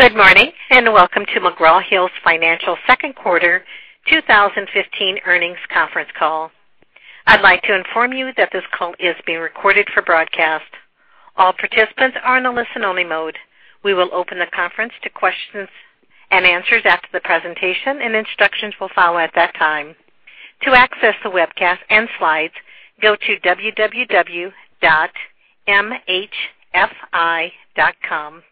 Good morning, and welcome to McGraw Hill Financial's second quarter 2015 earnings conference call. I'd like to inform you that this call is being recorded for broadcast. All participants are in a listen-only mode. We will open the conference to questions and answers after the presentation, and instructions will follow at that time. To access the webcast and slides, go to www.mhfi.com.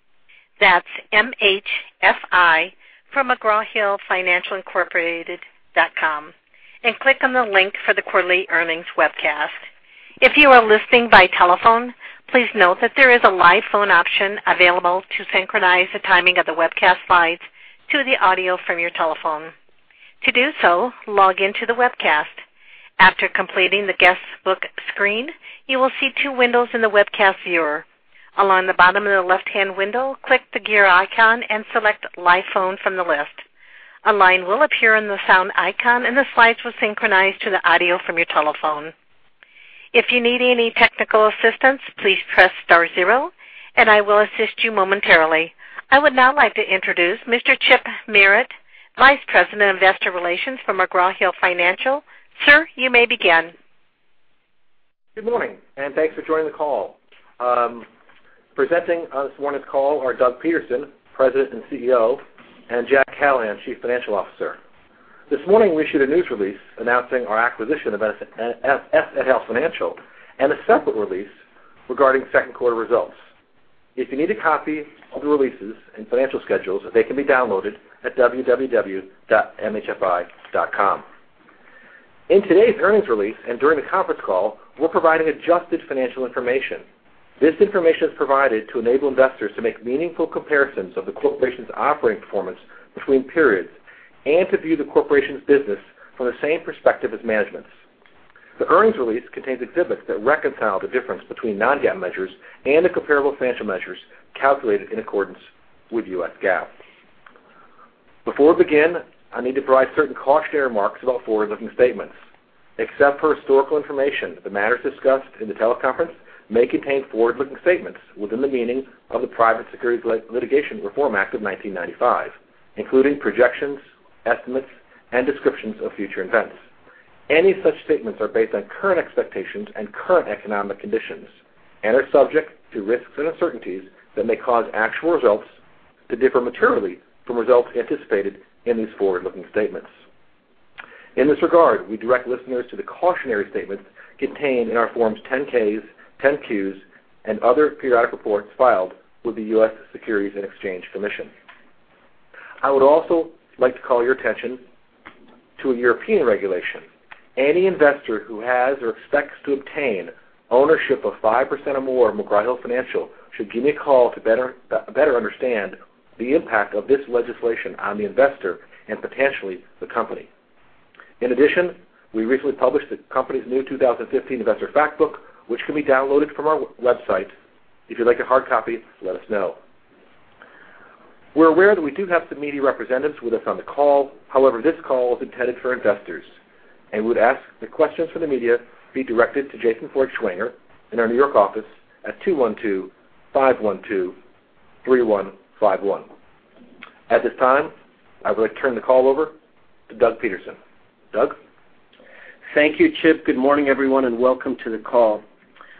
That's M-H-F-I, for McGraw Hill Financial, Inc., .com, and click on the link for the quarterly earnings webcast. If you are listening by telephone, please note that there is a live phone option available to synchronize the timing of the webcast slides to the audio from your telephone. To do so, log in to the webcast. After completing the guest book screen, you will see two windows in the webcast viewer. Along the bottom of the left-hand window, click the gear icon and select Live Phone from the list. A line will appear in the sound icon, and the slides will synchronize to the audio from your telephone. If you need any technical assistance, please press star zero, and I will assist you momentarily. I would now like to introduce Mr. Chip Merritt, Vice President of Investor Relations for McGraw Hill Financial. Sir, you may begin. Good morning, and thanks for joining the call. Presenting this morning's call are Doug Peterson, President and CEO, and Jack Callahan, Chief Financial Officer. This morning, we issued a news release announcing our acquisition of SNL Financial, and a separate release regarding second quarter results. If you need a copy of the releases and financial schedules, they can be downloaded at www.mhfi.com. In today's earnings release and during the conference call, we're providing adjusted financial information. This information is provided to enable investors to make meaningful comparisons of the corporation's operating performance between periods and to view the corporation's business from the same perspective as management's. The earnings release contains exhibits that reconcile the difference between non-GAAP measures and the comparable financial measures calculated in accordance with U.S. GAAP. Before we begin, I need to provide certain cautionary remarks about forward-looking statements. Except for historical information, the matters discussed in the teleconference may contain forward-looking statements within the meaning of the Private Securities Litigation Reform Act of 1995, including projections, estimates, and descriptions of future events. Any such statements are based on current expectations and current economic conditions and are subject to risks and uncertainties that may cause actual results to differ materially from results anticipated in these forward-looking statements. In this regard, we direct listeners to the cautionary statements contained in our Forms 10-Ks, 10-Qs, and other periodic reports filed with the U.S. Securities and Exchange Commission. I would also like to call your attention to a European regulation. Any investor who has or expects to obtain ownership of 5% or more of McGraw Hill Financial should give me a call to better understand the impact of this legislation on the investor and potentially the company. In addition, we recently published the company's new 2015 investor fact book, which can be downloaded from our website. If you'd like a hard copy, let us know. We're aware that we do have some media representatives with us on the call. However, this call is intended for investors, and we'd ask that questions from the media be directed to Jason Feer in our N.Y. office at 212-512-3151. At this time, I would like to turn the call over to Doug Peterson. Doug? Thank you, Chip. Good morning, everyone, and welcome to the call.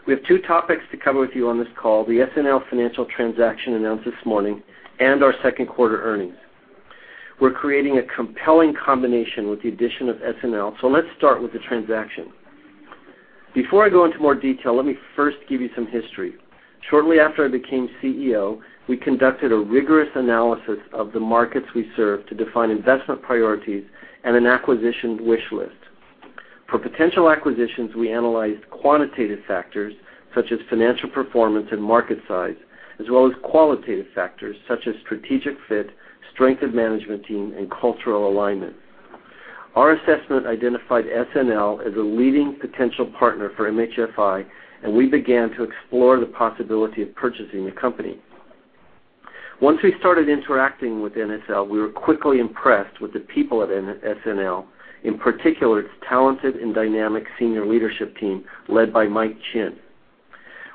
We have two topics to cover with you on this call, the SNL Financial transaction announced this morning and our second quarter earnings. We're creating a compelling combination with the addition of SNL, so let's start with the transaction. Before I go into more detail, let me first give you some history. Shortly after I became CEO, we conducted a rigorous analysis of the markets we serve to define investment priorities and an acquisition wish list. For potential acquisitions, we analyzed quantitative factors such as financial performance and market size, as well as qualitative factors such as strategic fit, strength of management team, and cultural alignment. Our assessment identified SNL as a leading potential partner for MHFI, and we began to explore the possibility of purchasing the company. Once we started interacting with SNL, we were quickly impressed with the people at SNL, in particular, its talented and dynamic senior leadership team led by Mike Chinn.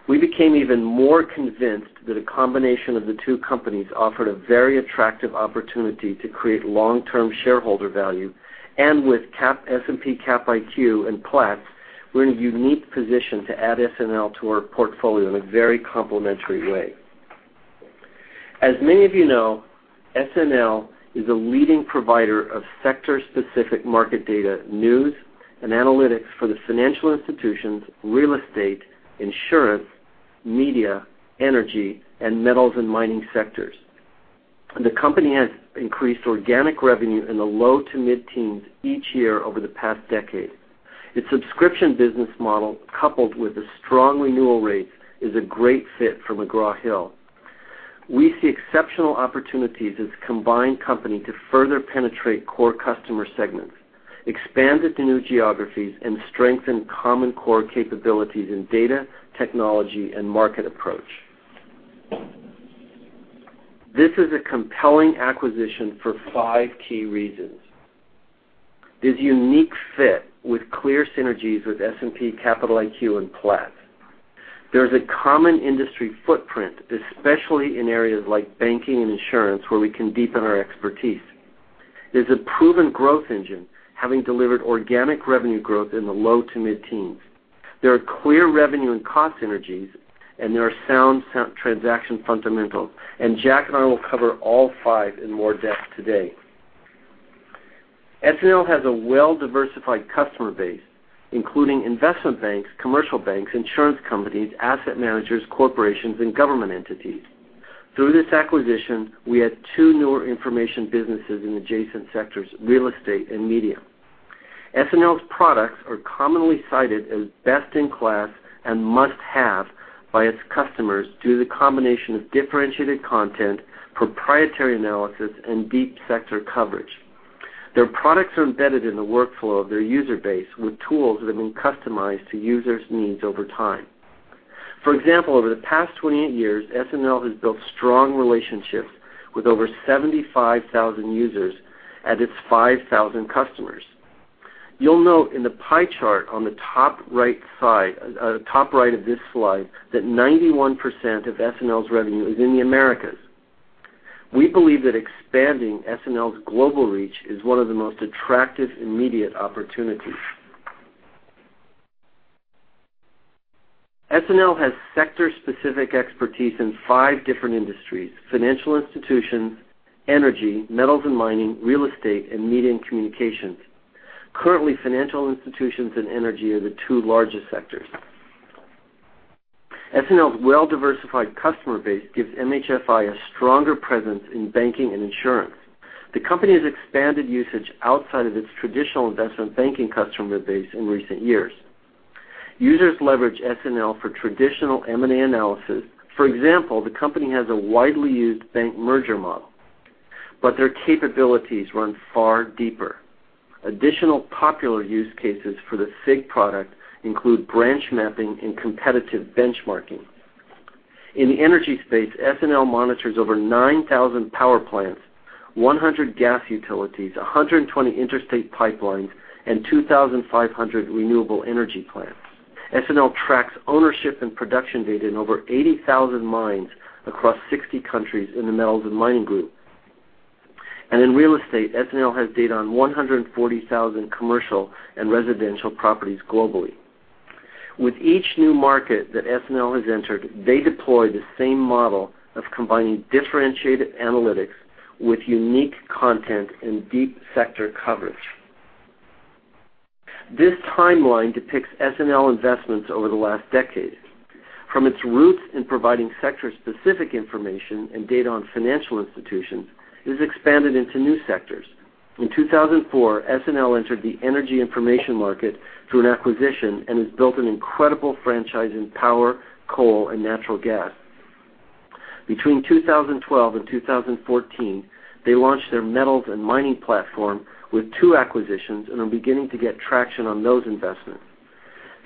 We became even more convinced that a combination of the two companies offered a very attractive opportunity to create long-term shareholder value. With S&P Capital IQ and Platts, we're in a unique position to add SNL to our portfolio in a very complementary way. As many of you know, SNL is a leading provider of sector-specific market data, news, and analytics for the financial institutions, real estate, insurance, media, energy, and metals and mining sectors. The company has increased organic revenue in the low to mid-teens each year over the past decade. Its subscription business model, coupled with the strong renewal rates, is a great fit for McGraw Hill. We see exceptional opportunities as a combined company to further penetrate core customer segments, expand into new geographies, and strengthen common core capabilities in data, technology, and market approach. This is a compelling acquisition for 5 key reasons. There's unique fit with clear synergies with S&P Capital IQ and Platts. There's a common industry footprint, especially in areas like banking and insurance, where we can deepen our expertise. There's a proven growth engine, having delivered organic revenue growth in the low to mid-teens. There are clear revenue and cost synergies, and there are sound transaction fundamentals. Jack and I will cover all 5 in more depth today. SNL has a well-diversified customer base, including investment banks, commercial banks, insurance companies, asset managers, corporations, and government entities. Through this acquisition, we add two newer information businesses in adjacent sectors, real estate and media. SNL's products are commonly cited as best in class and must-have by its customers due to the combination of differentiated content, proprietary analysis, and deep sector coverage. Their products are embedded in the workflow of their user base with tools that have been customized to users' needs over time. For example, over the past 28 years, SNL has built strong relationships with over 75,000 users at its 5,000 customers. You'll note in the pie chart on the top right of this slide that 91% of SNL's revenue is in the Americas. We believe that expanding SNL's global reach is one of the most attractive immediate opportunities. SNL has sector-specific expertise in five different industries: financial institutions, energy, metals and mining, real estate, and media and communications. Currently, financial institutions and energy are the two largest sectors. SNL's well-diversified customer base gives MHFI a stronger presence in banking and insurance. The company has expanded usage outside of its traditional investment banking customer base in recent years. Users leverage SNL for traditional M&A analysis. For example, the company has a widely used bank merger model. Their capabilities run far deeper. Additional popular use cases for the FIG product include branch mapping and competitive benchmarking. In the energy space, SNL monitors over 9,000 power plants, 100 gas utilities, 120 interstate pipelines, and 2,500 renewable energy plants. SNL tracks ownership and production data in over 80,000 mines across 60 countries in the metals and mining group. In real estate, SNL has data on 140,000 commercial and residential properties globally. With each new market that SNL has entered, they deploy the same model of combining differentiated analytics with unique content and deep sector coverage. This timeline depicts SNL investments over the last decade. From its roots in providing sector-specific information and data on financial institutions, it has expanded into new sectors. In 2004, SNL entered the energy information market through an acquisition and has built an incredible franchise in power, coal, and natural gas. Between 2012 and 2014, they launched their metals and mining platform with two acquisitions and are beginning to get traction on those investments.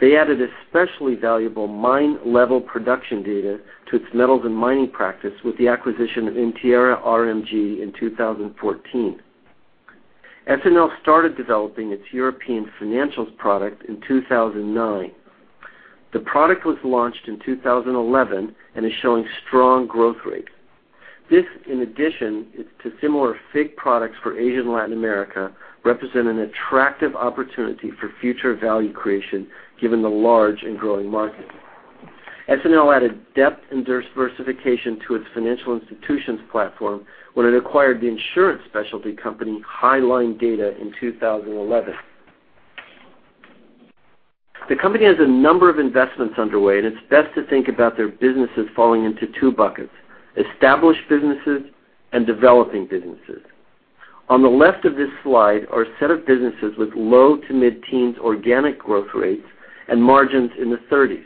They added especially valuable mine-level production data to its metals and mining practice with the acquisition of Intierra RMG in 2014. SNL started developing its European financials product in 2009. The product was launched in 2011 and is showing strong growth rates. This, in addition to similar FIG products for Asia and Latin America, represent an attractive opportunity for future value creation, given the large and growing market. SNL added depth and diversification to its financial institutions platform when it acquired the insurance specialty company Highline Data in 2011. The company has a number of investments underway, and it's best to think about their businesses falling into two buckets, established businesses and developing businesses. On the left of this slide are a set of businesses with low to mid-teens organic growth rates and margins in the 30s.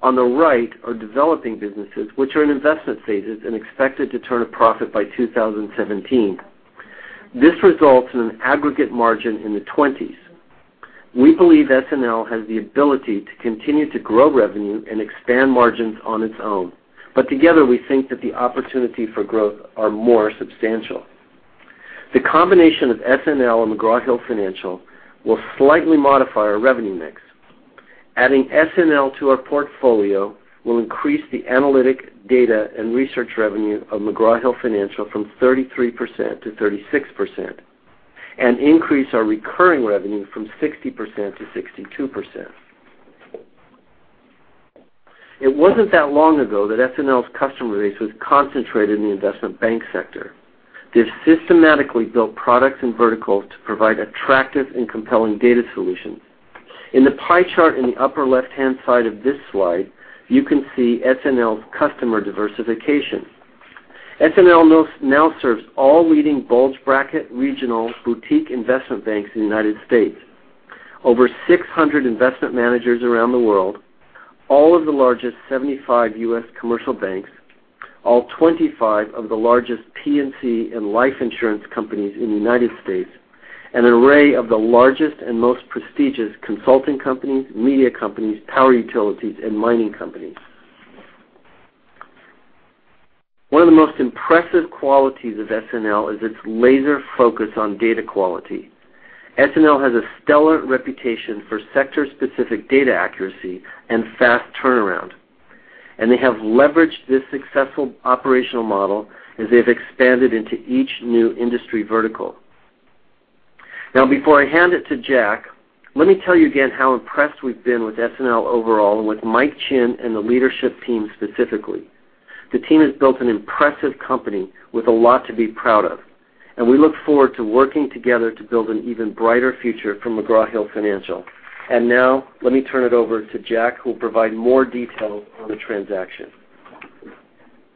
On the right are developing businesses, which are in investment phases and expected to turn a profit by 2017. This results in an aggregate margin in the 20s. We believe SNL has the ability to continue to grow revenue and expand margins on its own. Together, we think that the opportunity for growth are more substantial. The combination of SNL and McGraw Hill Financial will slightly modify our revenue mix. Adding SNL to our portfolio will increase the analytic data and research revenue of McGraw Hill Financial from 33%-36% and increase our recurring revenue from 60%-62%. It wasn't that long ago that SNL's customer base was concentrated in the investment bank sector. They've systematically built products and verticals to provide attractive and compelling data solutions. In the pie chart in the upper left-hand side of this slide, you can see SNL's customer diversification. SNL now serves all leading bulge bracket regional boutique investment banks in the U.S., over 600 investment managers around the world, all of the largest 75 U.S. commercial banks, all 25 of the largest P&C and life insurance companies in the U.S. An array of the largest and most prestigious consulting companies, media companies, power utilities, and mining companies.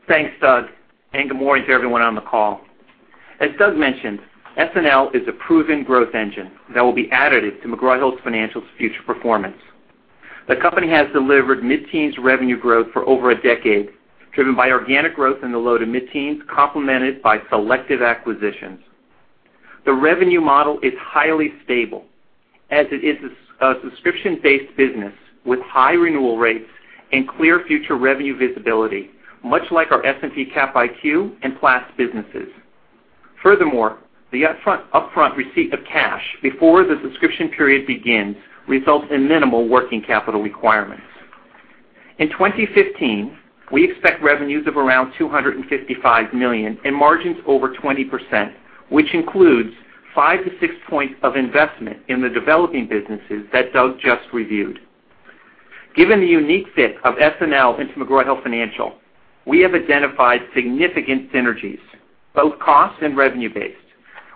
Thanks, Doug, and good morning to everyone on the call. As Doug mentioned, SNL is a proven growth engine that will be additive to McGraw Hill Financial's future performance. The company has delivered mid-teens revenue growth for over a decade, driven by organic growth in the low to mid-teens, complemented by selective acquisitions. The revenue model is highly stable, as it is a subscription-based business with high renewal rates and clear future revenue visibility, much like our S&P Capital IQ and Platts businesses. Furthermore,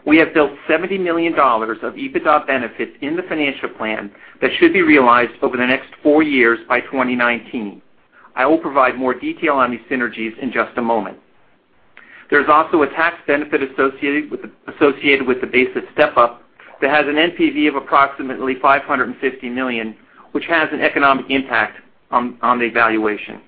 We have built $70 million of EBITDA benefits in the financial plan that should be realized over the next four years by 2019. I will provide more detail on these synergies in just a moment. There's also a tax benefit associated with the basis step-up that has an NPV of approximately $550 million, which has an economic impact on the valuation.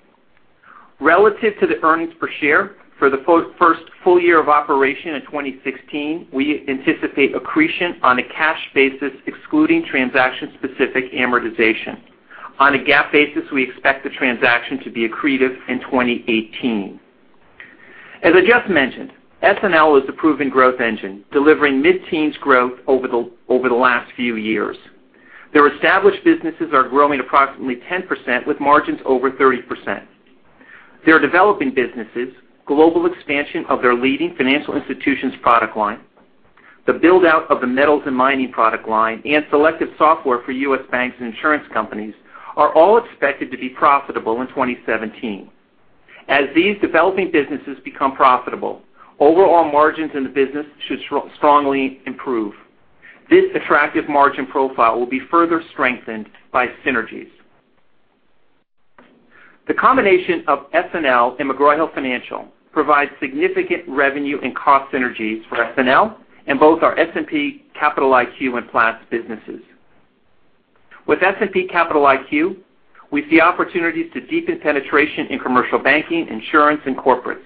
Relative to the earnings per share for the first full year of operation in 2016, we anticipate accretion on a cash basis, excluding transaction-specific amortization. On a GAAP basis, we expect the transaction to be accretive in 2018. As I just mentioned, SNL is a proven growth engine, delivering mid-teens growth over the last few years. Their established businesses are growing approximately 10% with margins over 30%. Their developing businesses, global expansion of their leading financial institutions product line, the build-out of the metals and mining product line, and selective software for U.S. banks and insurance companies, are all expected to be profitable in 2017. As these developing businesses become profitable, overall margins in the business should strongly improve. This attractive margin profile will be further strengthened by synergies. The combination of SNL and McGraw Hill Financial provides significant revenue and cost synergies for SNL and both our S&P Capital IQ and Platts businesses. With S&P Capital IQ, we see opportunities to deepen penetration in commercial banking, insurance, and corporates.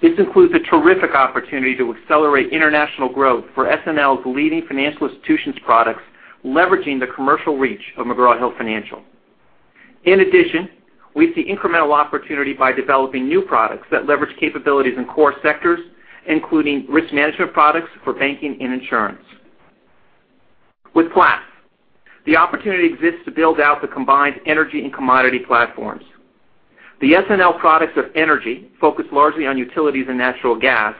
This includes a terrific opportunity to accelerate international growth for SNL's leading financial institutions products, leveraging the commercial reach of McGraw Hill Financial. In addition, we see incremental opportunity by developing new products that leverage capabilities in core sectors, including risk management products for banking and insurance. With Platts, the opportunity exists to build out the combined energy and commodity platforms. The SNL products of energy focus largely on utilities and natural gas,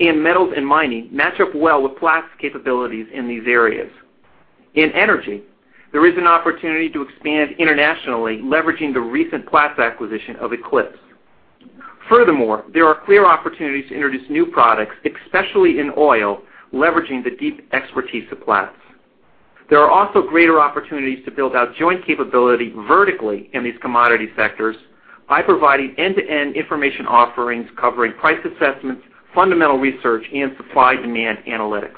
and metals and mining match up well with Platts' capabilities in these areas. In energy, there is an opportunity to expand internationally, leveraging the recent Platts acquisition of Eclipse. Furthermore, there are clear opportunities to introduce new products, especially in oil, leveraging the deep expertise of Platts. There are also greater opportunities to build out joint capability vertically in these commodity sectors by providing end-to-end information offerings covering price assessments, fundamental research, and supply-demand analytics.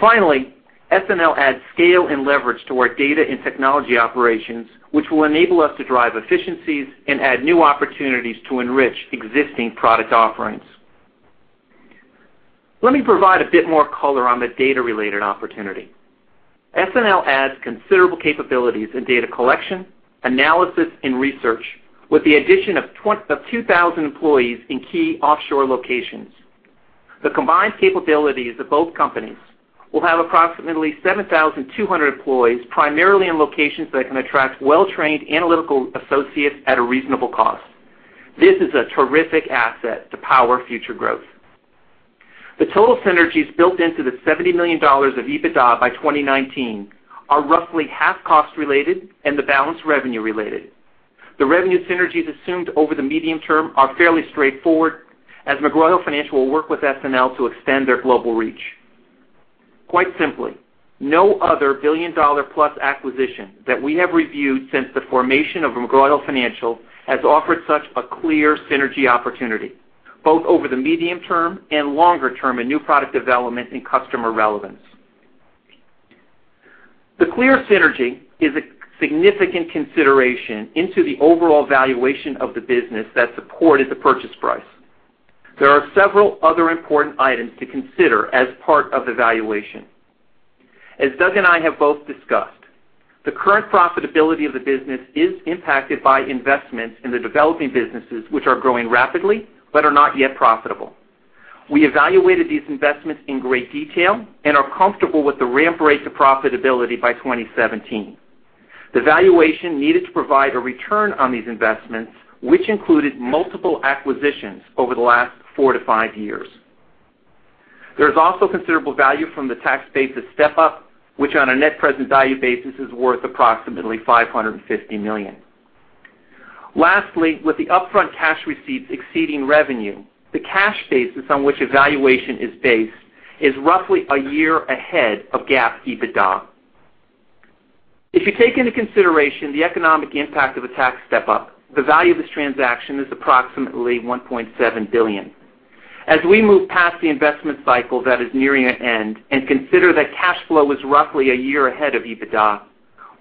Finally, SNL adds scale and leverage to our data and technology operations, which will enable us to drive efficiencies and add new opportunities to enrich existing product offerings. Let me provide a bit more color on the data-related opportunity. SNL adds considerable capabilities in data collection, analysis, and research with the addition of 2,000 employees in key offshore locations. The combined capabilities of both companies will have approximately 7,200 employees, primarily in locations that can attract well-trained analytical associates at a reasonable cost. This is a terrific asset to power future growth. The total synergies built into the $70 million of EBITDA by 2019 are roughly half cost-related and the balance revenue-related. The revenue synergies assumed over the medium term are fairly straightforward, as McGraw Hill Financial will work with SNL to extend their global reach. Quite simply, no other billion-dollar-plus acquisition that we have reviewed since the formation of McGraw Hill Financial has offered such a clear synergy opportunity, both over the medium term and longer term in new product development and customer relevance. The clear synergy is a significant consideration into the overall valuation of the business that supported the purchase price. As Doug and I have both discussed, the current profitability of the business is impacted by investments in the developing businesses, which are growing rapidly but are not yet profitable. We evaluated these investments in great detail and are comfortable with the ramp rate to profitability by 2017. The valuation needed to provide a return on these investments, which included multiple acquisitions over the last four to five years. There is also considerable value from the tax basis step-up, which on a net present value basis is worth approximately $550 million. Lastly, with the upfront cash receipts exceeding revenue, the cash basis on which a valuation is based is roughly a year ahead of GAAP EBITDA. If you take into consideration the economic impact of a tax step-up, the value of this transaction is approximately $1.7 billion. As we move past the investment cycle that is nearing an end and consider that cash flow is roughly a year ahead of EBITDA,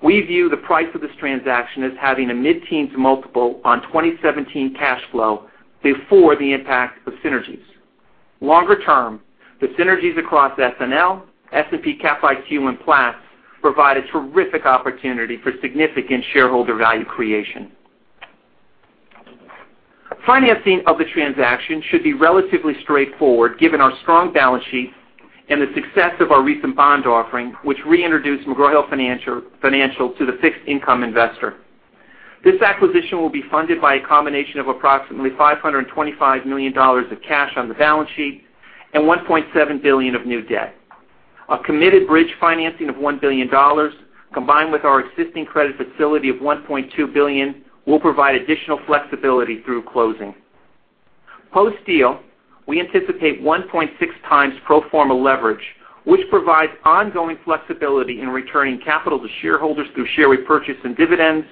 we view the price of this transaction as having a mid-teens multiple on 2017 cash flow before the impact of synergies. Longer term, the synergies across SNL, S&P Cap IQ, and Platts provide a terrific opportunity for significant shareholder value creation. Financing of the transaction should be relatively straightforward given our strong balance sheet and the success of our recent bond offering, which reintroduced McGraw Hill Financial to the fixed income investor. This acquisition will be funded by a combination of approximately $525 million of cash on the balance sheet and $1.7 billion of new debt. A committed bridge financing of $1 billion, combined with our existing credit facility of $1.2 billion, will provide additional flexibility through closing. Post-deal, we anticipate 1.6 times pro forma leverage, which provides ongoing flexibility in returning capital to shareholders through share repurchase and dividends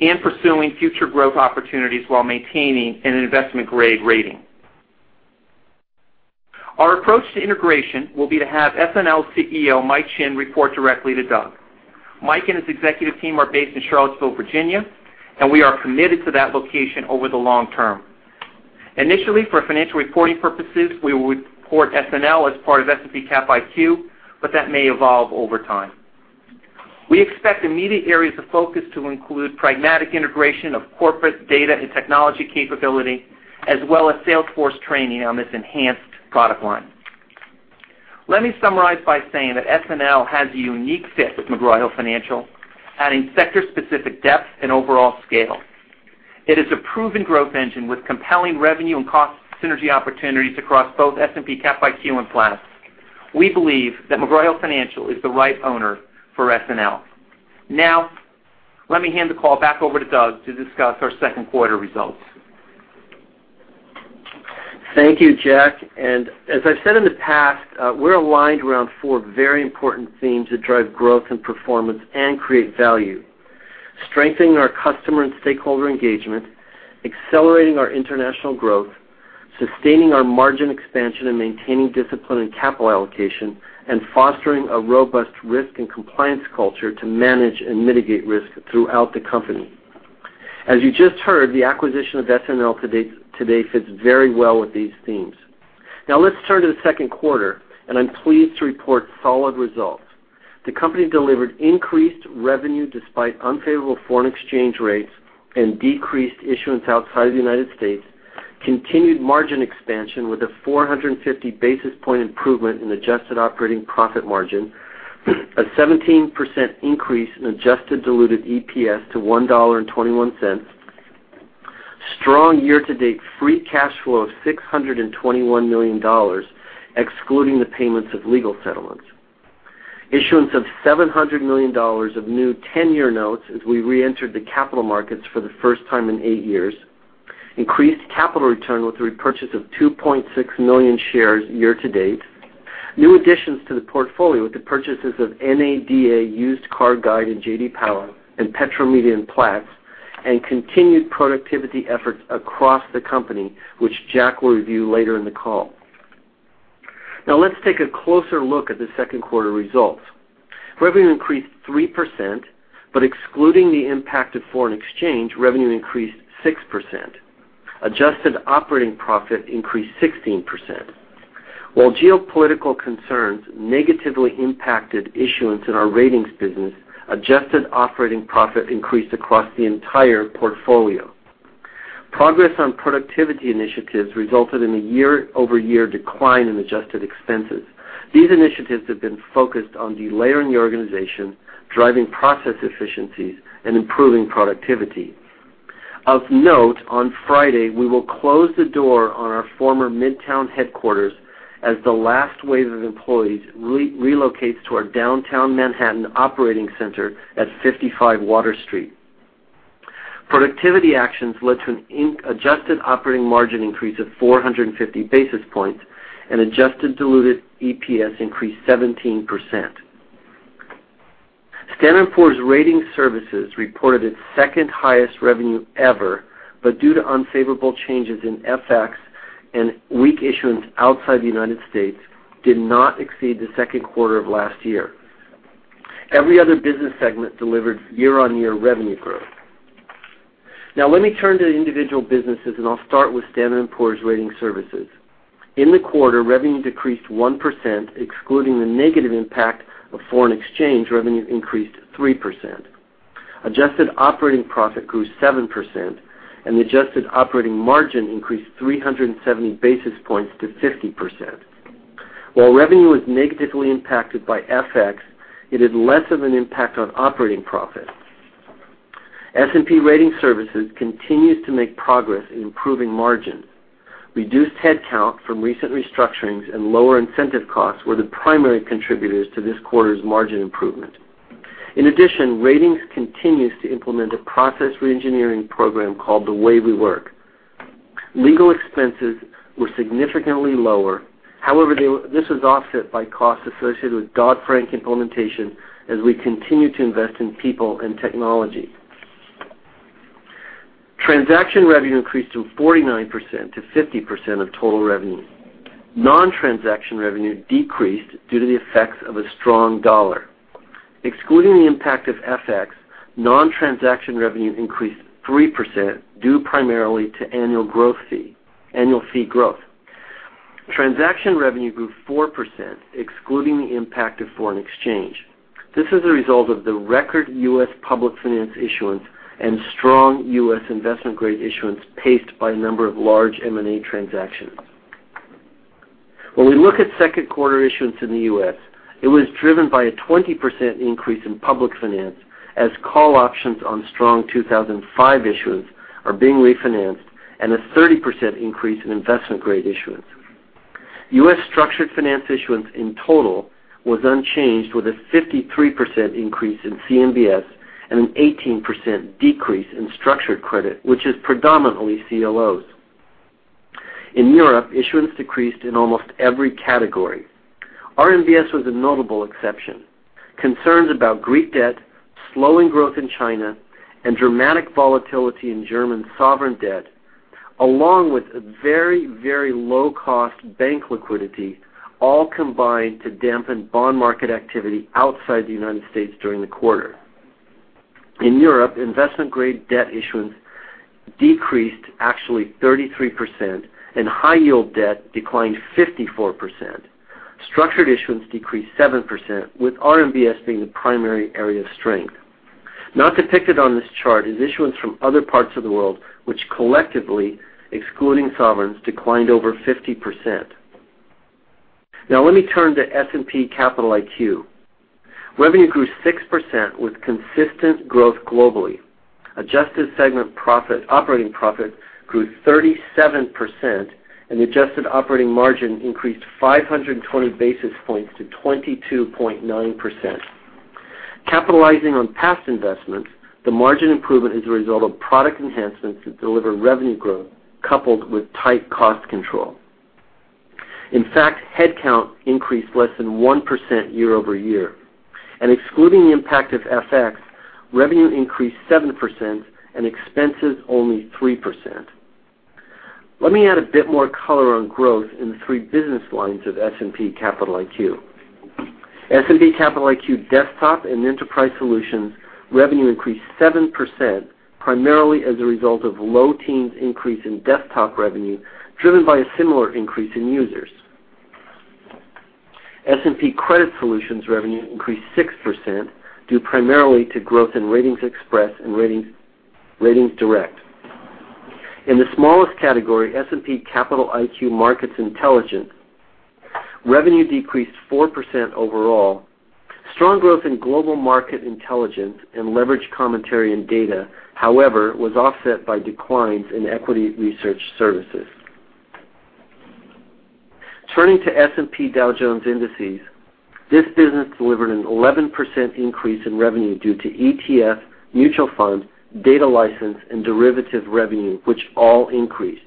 and pursuing future growth opportunities while maintaining an investment-grade rating. Our approach to integration will be to have SNL CEO Mike Chinn report directly to Doug. Mike and his executive team are based in Charlottesville, Virginia, and we are committed to that location over the long term. Initially, for financial reporting purposes, we will report SNL as part of S&P Cap IQ, but that may evolve over time. We expect immediate areas of focus to include pragmatic integration of corporate data and technology capability, as well as sales force training on this enhanced product line. Let me summarize by saying that SNL has a unique fit with McGraw Hill Financial, adding sector-specific depth and overall scale. It is a proven growth engine with compelling revenue and cost synergy opportunities across both S&P Cap IQ and Platts. We believe that McGraw Hill Financial is the right owner for SNL. Let me hand the call back over to Doug to discuss our second quarter results. Thank you, Jack. As I've said in the past, we're aligned around four very important themes that drive growth and performance and create value. Strengthening our customer and stakeholder engagement, accelerating our international growth, sustaining our margin expansion and maintaining discipline in capital allocation, and fostering a robust risk and compliance culture to manage and mitigate risk throughout the company. As you just heard, the acquisition of SNL today fits very well with these themes. Let's turn to the second quarter, and I'm pleased to report solid results. The company delivered increased revenue despite unfavorable foreign exchange rates and decreased issuance outside of the United States, continued margin expansion with a 450 basis point improvement in adjusted operating profit margin, a 17% increase in adjusted diluted EPS to $1.21, strong year-to-date free cash flow of $621 million, excluding the payments of legal settlements. Issuance of $700 million of new 10-year notes as we reentered the capital markets for the first time in eight years, increased capital return with the repurchase of 2.6 million shares year-to-date, new additions to the portfolio with the purchases of NADA Used Car Guide, J.D. Power, Petromedia, and Platts, continued productivity efforts across the company, which Jack will review later in the call. Let's take a closer look at the second quarter results. Revenue increased 3%, excluding the impact of foreign exchange, revenue increased 6%. Adjusted operating profit increased 16%. While geopolitical concerns negatively impacted issuance in our Ratings business, adjusted operating profit increased across the entire portfolio. Progress on productivity initiatives resulted in a year-over-year decline in adjusted expenses. These initiatives have been focused on delayering the organization, driving process efficiencies, and improving productivity. Of note, on Friday, we will close the door on our former Midtown headquarters as the last wave of employees relocates to our downtown Manhattan operating center at 55 Water Street. Productivity actions led to an adjusted operating margin increase of 450 basis points, adjusted diluted EPS increased 17%. Standard & Poor's Rating Services reported its second highest revenue ever, due to unfavorable changes in FX and weak issuance outside the United States did not exceed the second quarter of last year. Every other business segment delivered year-on-year revenue growth. Let me turn to individual businesses, I'll start with Standard & Poor's Rating Services. In the quarter, revenue decreased 1%, excluding the negative impact of foreign exchange, revenue increased 3%. Adjusted operating profit grew 7%, the adjusted operating margin increased 370 basis points to 50%. While revenue was negatively impacted by FX, it had less of an impact on operating profit. S&P Rating Services continues to make progress in improving margin. Reduced headcount from recent restructurings and lower incentive costs were the primary contributors to this quarter's margin improvement. In addition, Ratings continues to implement a process reengineering program called The Way We Work. Legal expenses were significantly lower. This was offset by costs associated with Dodd-Frank implementation as we continue to invest in people and technology. Transaction revenue increased from 49% to 50% of total revenue. Non-transaction revenue decreased due to the effects of a strong dollar. Excluding the impact of FX, non-transaction revenue increased 3%, due primarily to annual fee growth. Transaction revenue grew 4%, excluding the impact of foreign exchange. This is a result of the record U.S. public finance issuance and strong U.S. investment-grade issuance, paced by a number of large M&A transactions. When we look at second quarter issuance in the U.S., it was driven by a 20% increase in public finance as call options on strong 2005 issuance are being refinanced, a 30% increase in investment-grade issuance. U.S. structured finance issuance in total was unchanged, with a 53% increase in CMBS, an 18% decrease in structured credit, which is predominantly CLOs. In Europe, issuance decreased in almost every category. RMBS was a notable exception. Concerns about Greek debt, slowing growth in China, dramatic volatility in German sovereign debt, along with very low-cost bank liquidity all combined to dampen bond market activity outside the United States during the quarter. In Europe, investment-grade debt issuance decreased actually 33%, high-yield debt declined 54%. Structured issuance decreased 7%, with RMBS being the primary area of strength. Not depicted on this chart is issuance from other parts of the world, which collectively, excluding sovereigns, declined over 50%. Let me turn to S&P Capital IQ. Revenue grew 6% with consistent growth globally. Adjusted segment operating profit grew 37%, and adjusted operating margin increased 520 basis points to 22.9%. Capitalizing on past investments, the margin improvement is a result of product enhancements that deliver revenue growth coupled with tight cost control. In fact, headcount increased less than 1% year-over-year. Excluding the impact of FX, revenue increased 7% and expenses only 3%. Let me add a bit more color on growth in the three business lines of S&P Capital IQ. S&P Capital IQ Desktop and Enterprise Solutions revenue increased 7%, primarily as a result of low teens increase in desktop revenue, driven by a similar increase in users. S&P Credit Solutions revenue increased 6%, due primarily to growth in RatingsXpress and RatingsDirect. In the smallest category, S&P Capital IQ Markets Intelligence, revenue decreased 4% overall. Strong growth in global market intelligence and Leveraged Commentary and Data, however, was offset by declines in equity research services. Turning to S&P Dow Jones Indices, this business delivered an 11% increase in revenue due to ETF, mutual fund, data license, and derivative revenue, which all increased.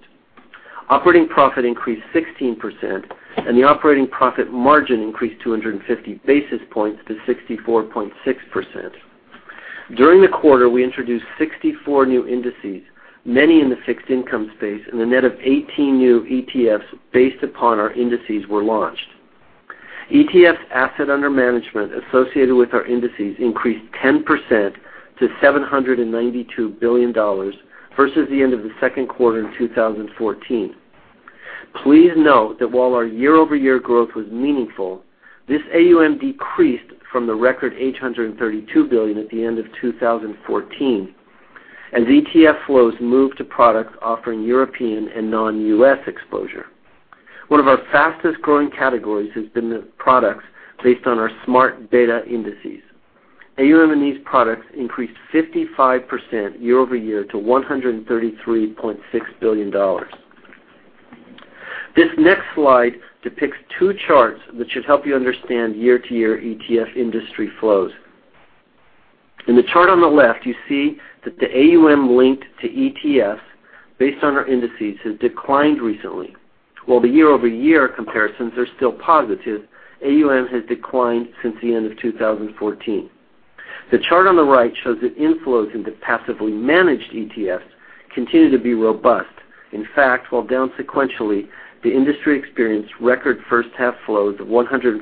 Operating profit increased 16%, and the operating profit margin increased 250 basis points to 64.6%. During the quarter, we introduced 64 new indices, many in the fixed income space, and a net of 18 new ETFs based upon our indices were launched. ETFs asset under management associated with our indices increased 10% to $792 billion, versus the end of the second quarter in 2014. Please note that while our year-over-year growth was meaningful, this AUM decreased from the record $832 billion at the end of 2014 as ETF flows moved to products offering European and non-U.S. exposure. One of our fastest-growing categories has been the products based on our smart beta indices. AUM in these products increased 55% year-over-year to $133.6 billion. This next slide depicts two charts that should help you understand year-to-year ETF industry flows. In the chart on the left, you see that the AUM linked to ETFs based on our indices has declined recently. While the year-over-year comparisons are still positive, AUM has declined since the end of 2014. The chart on the right shows that inflows into passively managed ETFs continue to be robust. In fact, while down sequentially, the industry experienced record first half flows of $146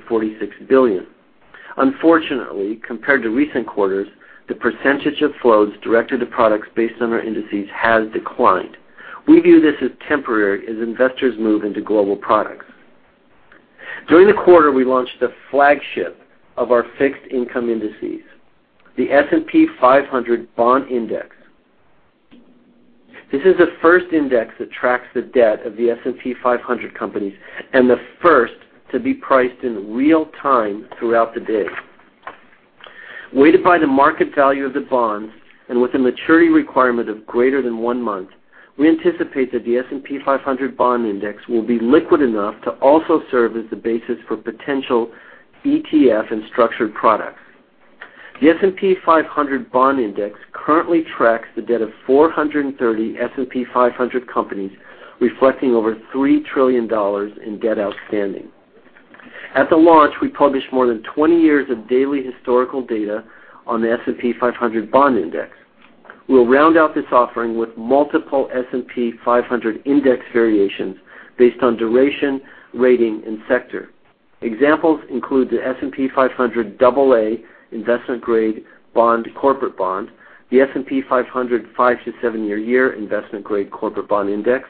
billion. Unfortunately, compared to recent quarters, the percentage of flows directed to products based on our indices has declined. We view this as temporary as investors move into global products. During the quarter, we launched the flagship of our fixed income indices, the S&P 500 Bond Index. This is the first index that tracks the debt of the S&P 500 companies and the first to be priced in real time throughout the day. Weighted by the market value of the bonds and with a maturity requirement of greater than one month, we anticipate that the S&P 500 Bond Index will be liquid enough to also serve as the basis for potential ETF and structured products. The S&P 500 Bond Index currently tracks the debt of 430 S&P 500 companies, reflecting over $3 trillion in debt outstanding. At the launch, we published more than 20 years of daily historical data on the S&P 500 Bond Index. We'll round out this offering with multiple S&P 500 index variations based on duration, rating, and sector. Examples include the S&P 500 AA Investment Grade Corporate Bond Index, the S&P 500 5-7 Year Investment Grade Corporate Bond Index,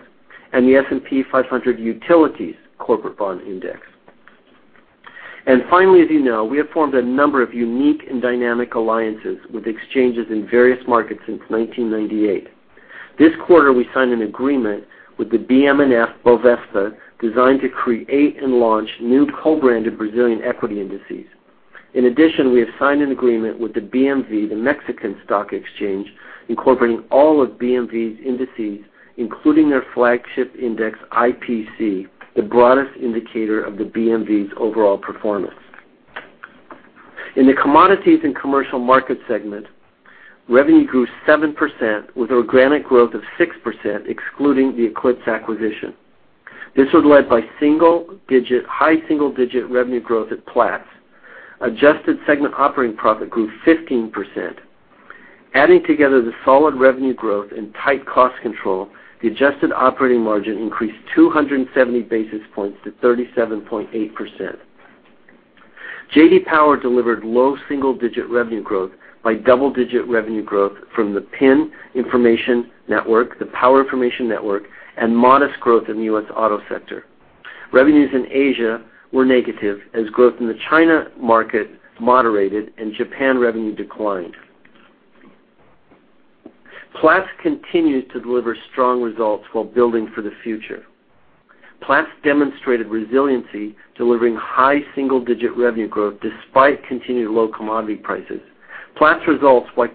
and the S&P 500 Utilities Corporate Bond Index. Finally, as you know, we have formed a number of unique and dynamic alliances with exchanges in various markets since 1998. This quarter, we signed an agreement with the BM&FBOVESPA designed to create and launch new co-branded Brazilian equity indices. In addition, we have signed an agreement with the BMV, the Mexican Stock Exchange, incorporating all of BMV's indices, including their flagship index, IPC, the broadest indicator of the BMV's overall performance. In the commodities and commercial market segment, revenue grew 7% with organic growth of 6%, excluding the Eclipse Energy Group acquisition. This was led by high single-digit revenue growth at Platts. Adjusted segment operating profit grew 15%. Adding together the solid revenue growth and tight cost control, the adjusted operating margin increased 270 basis points to 37.8%. J.D. Power delivered low single-digit revenue growth by double-digit revenue growth from the PIN information network, the Power Information Network, and modest growth in the U.S. auto sector. Revenues in Asia were negative as growth in the China market moderated and Japan revenue declined. Platts continued to deliver strong results while building for the future. Platts demonstrated resiliency, delivering high single-digit revenue growth despite continued low commodity prices. Platts results, while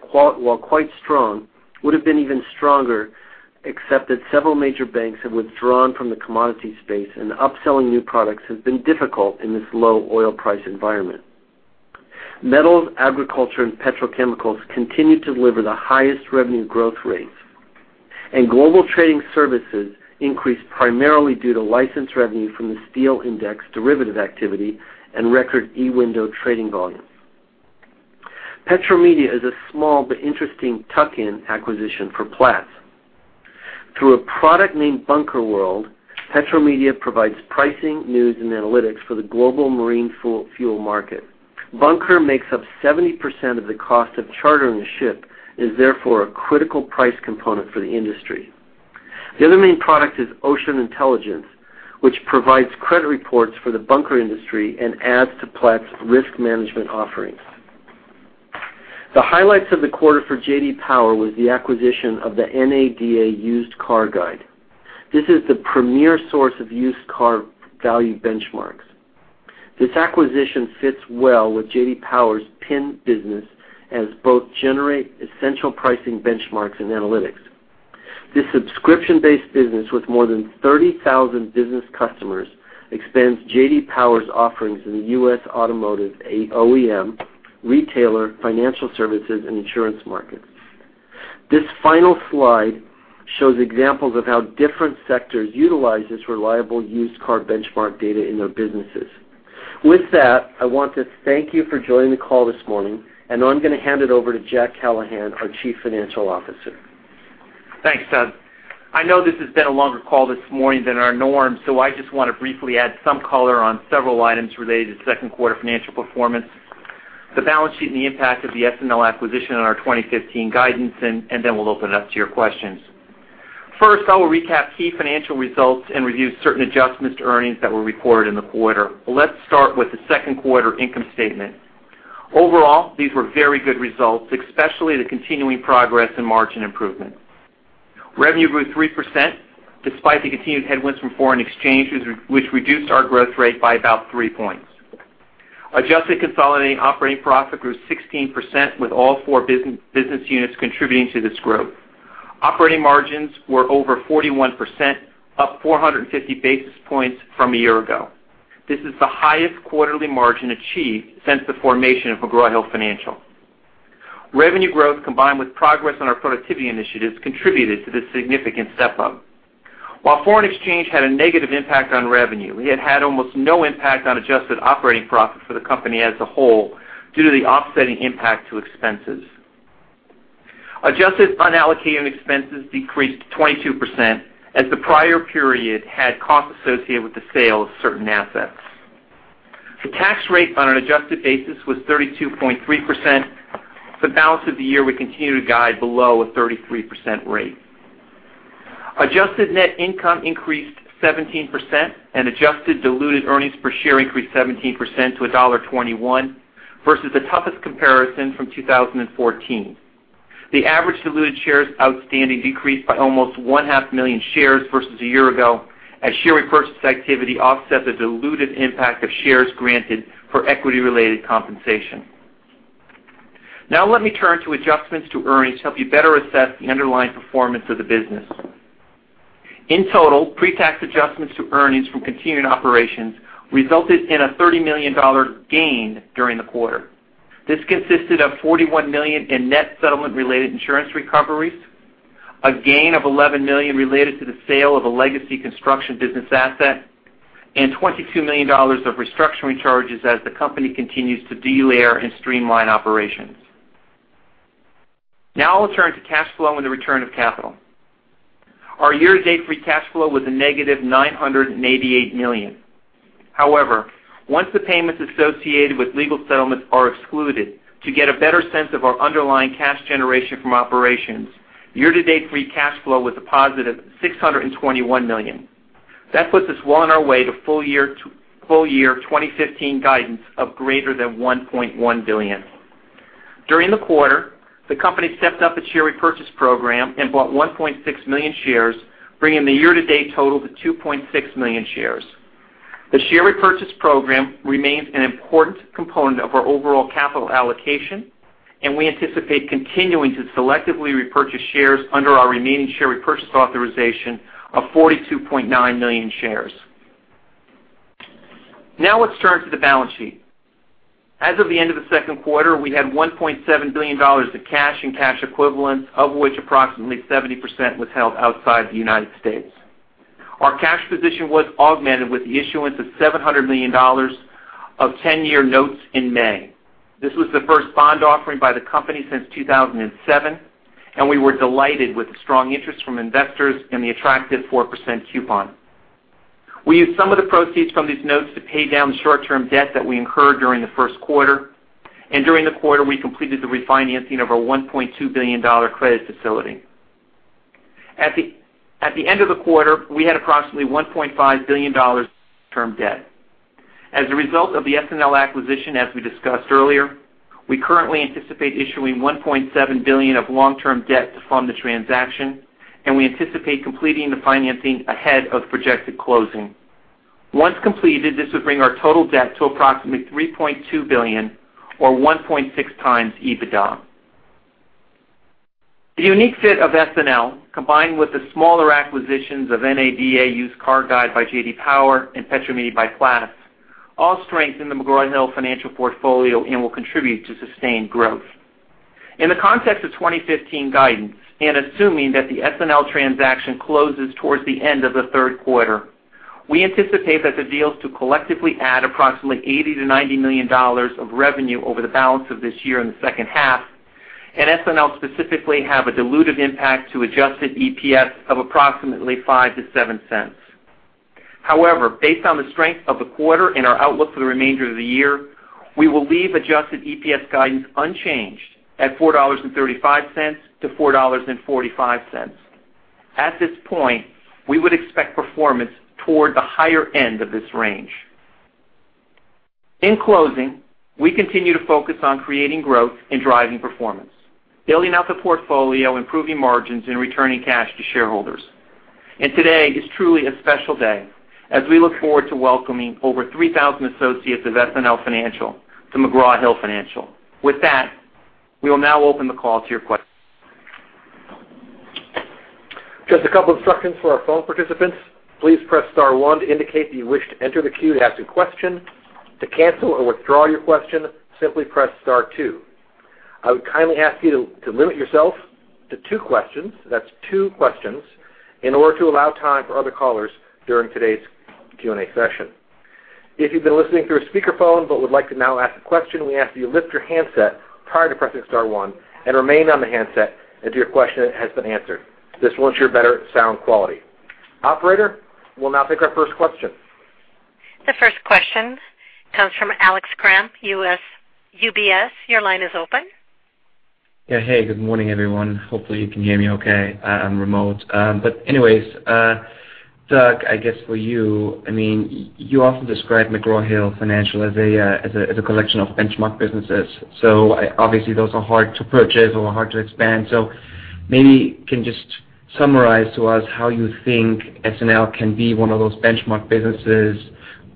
quite strong, would have been even stronger, except that several major banks have withdrawn from the commodities space and upselling new products has been difficult in this low oil price environment. Metals, agriculture, and petrochemicals continue to deliver the highest revenue growth rates, and global trading services increased primarily due to license revenue from The Steel Index derivative activity and record eWindow trading volumes. Petromedia is a small but interesting tuck-in acquisition for Platts. Through a product named Bunkerworld, Petromedia provides pricing, news, and analytics for the global marine fuel market. Bunker makes up 70% of the cost of chartering a ship, and is therefore a critical price component for the industry. The other main product is Ocean Intelligence, which provides credit reports for the bunker industry and adds to Platts risk management offerings. The highlights of the quarter for J.D. Power. J.D. Power was the acquisition of the NADA Used Car Guide. This is the premier source of used car value benchmarks. This acquisition fits well with J.D. Power's PIN business as both generate essential pricing benchmarks and analytics. This subscription-based business with more than 30,000 business customers expands J.D. Power's offerings in the U.S. automotive, OEM, retailer, financial services, and insurance markets. This final slide shows examples of how different sectors utilize this reliable used car benchmark data in their businesses. With that, I want to thank you for joining the call this morning. Now I'm going to hand it over to Jack Callahan, our Chief Financial Officer. Thanks, Doug. I know this has been a longer call this morning than our norm, so I just want to briefly add some color on several items related to second quarter financial performance, the balance sheet, and the impact of the SNL acquisition on our 2015 guidance, and then we'll open it up to your questions. First, I will recap key financial results and review certain adjustments to earnings that were recorded in the quarter. Let's start with the second quarter income statement. Overall, these were very good results, especially the continuing progress in margin improvement. Revenue grew 3%, despite the continued headwinds from foreign exchanges, which reduced our growth rate by about three points. Adjusted consolidated operating profit grew 16%, with all four business units contributing to this growth. Operating margins were over 41%, up 450 basis points from a year ago. This is the highest quarterly margin achieved since the formation of McGraw Hill Financial. Revenue growth, combined with progress on our productivity initiatives, contributed to this significant step up. While foreign exchange had a negative impact on revenue, it had almost no impact on adjusted operating profit for the company as a whole due to the offsetting impact to expenses. Adjusted unallocated expenses decreased 22% as the prior period had costs associated with the sale of certain assets. The tax rate on an adjusted basis was 32.3%. For the balance of the year, we continue to guide below a 33% rate. Adjusted net income increased 17%, and adjusted diluted earnings per share increased 17% to $1.21, versus the toughest comparison from 2014. The average diluted shares outstanding decreased by almost one-half million shares versus a year ago, as share repurchase activity offset the dilutive impact of shares granted for equity-related compensation. Now let me turn to adjustments to earnings to help you better assess the underlying performance of the business. In total, pre-tax adjustments to earnings from continuing operations resulted in a $30 million gain during the quarter. This consisted of $41 million in net settlement-related insurance recoveries, a gain of $11 million related to the sale of a legacy construction business asset, and $22 million of restructuring charges as the company continues to delayer and streamline operations. Now I'll turn to cash flow and the return of capital. Our year-to-date free cash flow was a negative $988 million. However, once the payments associated with legal settlements are excluded, to get a better sense of our underlying cash generation from operations, year-to-date free cash flow was a positive $621 million. That puts us well on our way to full year 2015 guidance of greater than $1.1 billion. During the quarter, the company stepped up its share repurchase program and bought 1.6 million shares, bringing the year-to-date total to 2.6 million shares. The share repurchase program remains an important component of our overall capital allocation, and we anticipate continuing to selectively repurchase shares under our remaining share repurchase authorization of 42.9 million shares. Now let's turn to the balance sheet. As of the end of the second quarter, we had $1.7 billion of cash and cash equivalents, of which approximately 70% was held outside the United States. Our cash position was augmented with the issuance of $700 million of 10-year notes in May. This was the first bond offering by the company since 2007, and we were delighted with the strong interest from investors and the attractive 4% coupon. We used some of the proceeds from these notes to pay down the short-term debt that we incurred during the first quarter, and during the quarter, we completed the refinancing of our $1.2 billion credit facility. At the end of the quarter, we had approximately $1.5 billion term debt. As a result of the SNL acquisition, as we discussed earlier, we currently anticipate issuing $1.7 billion of long-term debt to fund the transaction, and we anticipate completing the financing ahead of projected closing. Once completed, this would bring our total debt to approximately $3.2 billion or 1.6 times EBITDA. The unique fit of SNL, combined with the smaller acquisitions of NADA Used Car Guide by J.D. Power and Petromedia by Platts, all strengthen the McGraw Hill Financial portfolio and will contribute to sustained growth. In the context of 2015 guidance, and assuming that the SNL transaction closes towards the end of the third quarter, we anticipate that the deals to collectively add approximately $80 million-$90 million of revenue over the balance of this year in the second half, and SNL specifically have a dilutive impact to adjusted EPS of approximately $0.05-$0.07. However, based on the strength of the quarter and our outlook for the remainder of the year, we will leave adjusted EPS guidance unchanged at $4.35-$4.45. At this point, we would expect performance toward the higher end of this range. In closing, we continue to focus on creating growth and driving performance, building out the portfolio, improving margins, and returning cash to shareholders. Today is truly a special day as we look forward to welcoming over 3,000 associates of SNL Financial to McGraw Hill Financial. With that, we will now open the call to your questions. Just a couple instructions for our phone participants. Please press star one to indicate that you wish to enter the queue to ask a question. To cancel or withdraw your question, simply press star two. I would kindly ask you to limit yourself to two questions. That's two questions in order to allow time for other callers during today's Q&A session. If you've been listening through a speakerphone but would like to now ask a question, we ask that you lift your handset prior to pressing star one and remain on the handset until your question has been answered. This will ensure better sound quality. Operator, we will now take our first question. The first question comes from Alex Kramm, UBS. Your line is open. Yeah. Hey, good morning, everyone. Hopefully you can hear me okay. I'm remote. Anyway, Doug, I guess for you often describe McGraw Hill Financial as a collection of benchmark businesses. Obviously those are hard to purchase or hard to expand. Maybe you can just summarize to us how you think SNL can be one of those benchmark businesses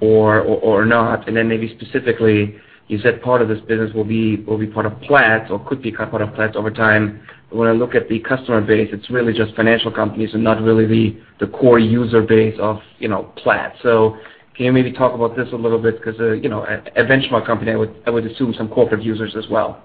or not. Then maybe specifically, you said part of this business will be part of Platts or could become part of Platts over time. When I look at the customer base, it's really just financial companies and not really the core user base of Platts. Can you maybe talk about this a little bit? Because a benchmark company, I would assume some corporate users as well.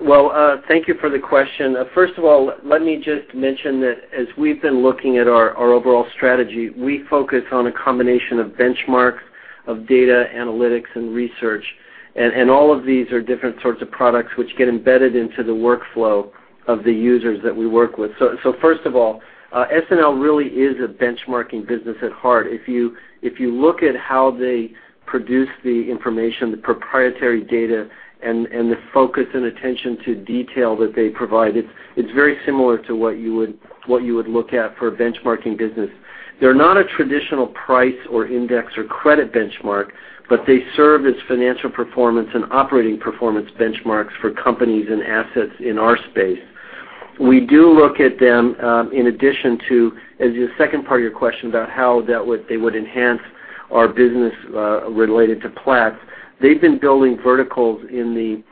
Well, thank you for the question. First of all, let me just mention that as we've been looking at our overall strategy, we focus on a combination of benchmarks of data analytics and research. All of these are different sorts of products which get embedded into the workflow of the users that we work with. First of all, SNL really is a benchmarking business at heart. If you look at how they produce the information, the proprietary data, and the focus and attention to detail that they provide, it's very similar to what you would look at for a benchmarking business. They're not a traditional price or index or credit benchmark, but they serve as financial performance and operating performance benchmarks for companies and assets in our space. We do look at them, in addition to the second part of your question about how they would enhance our business related to Platts. They've been building verticals in the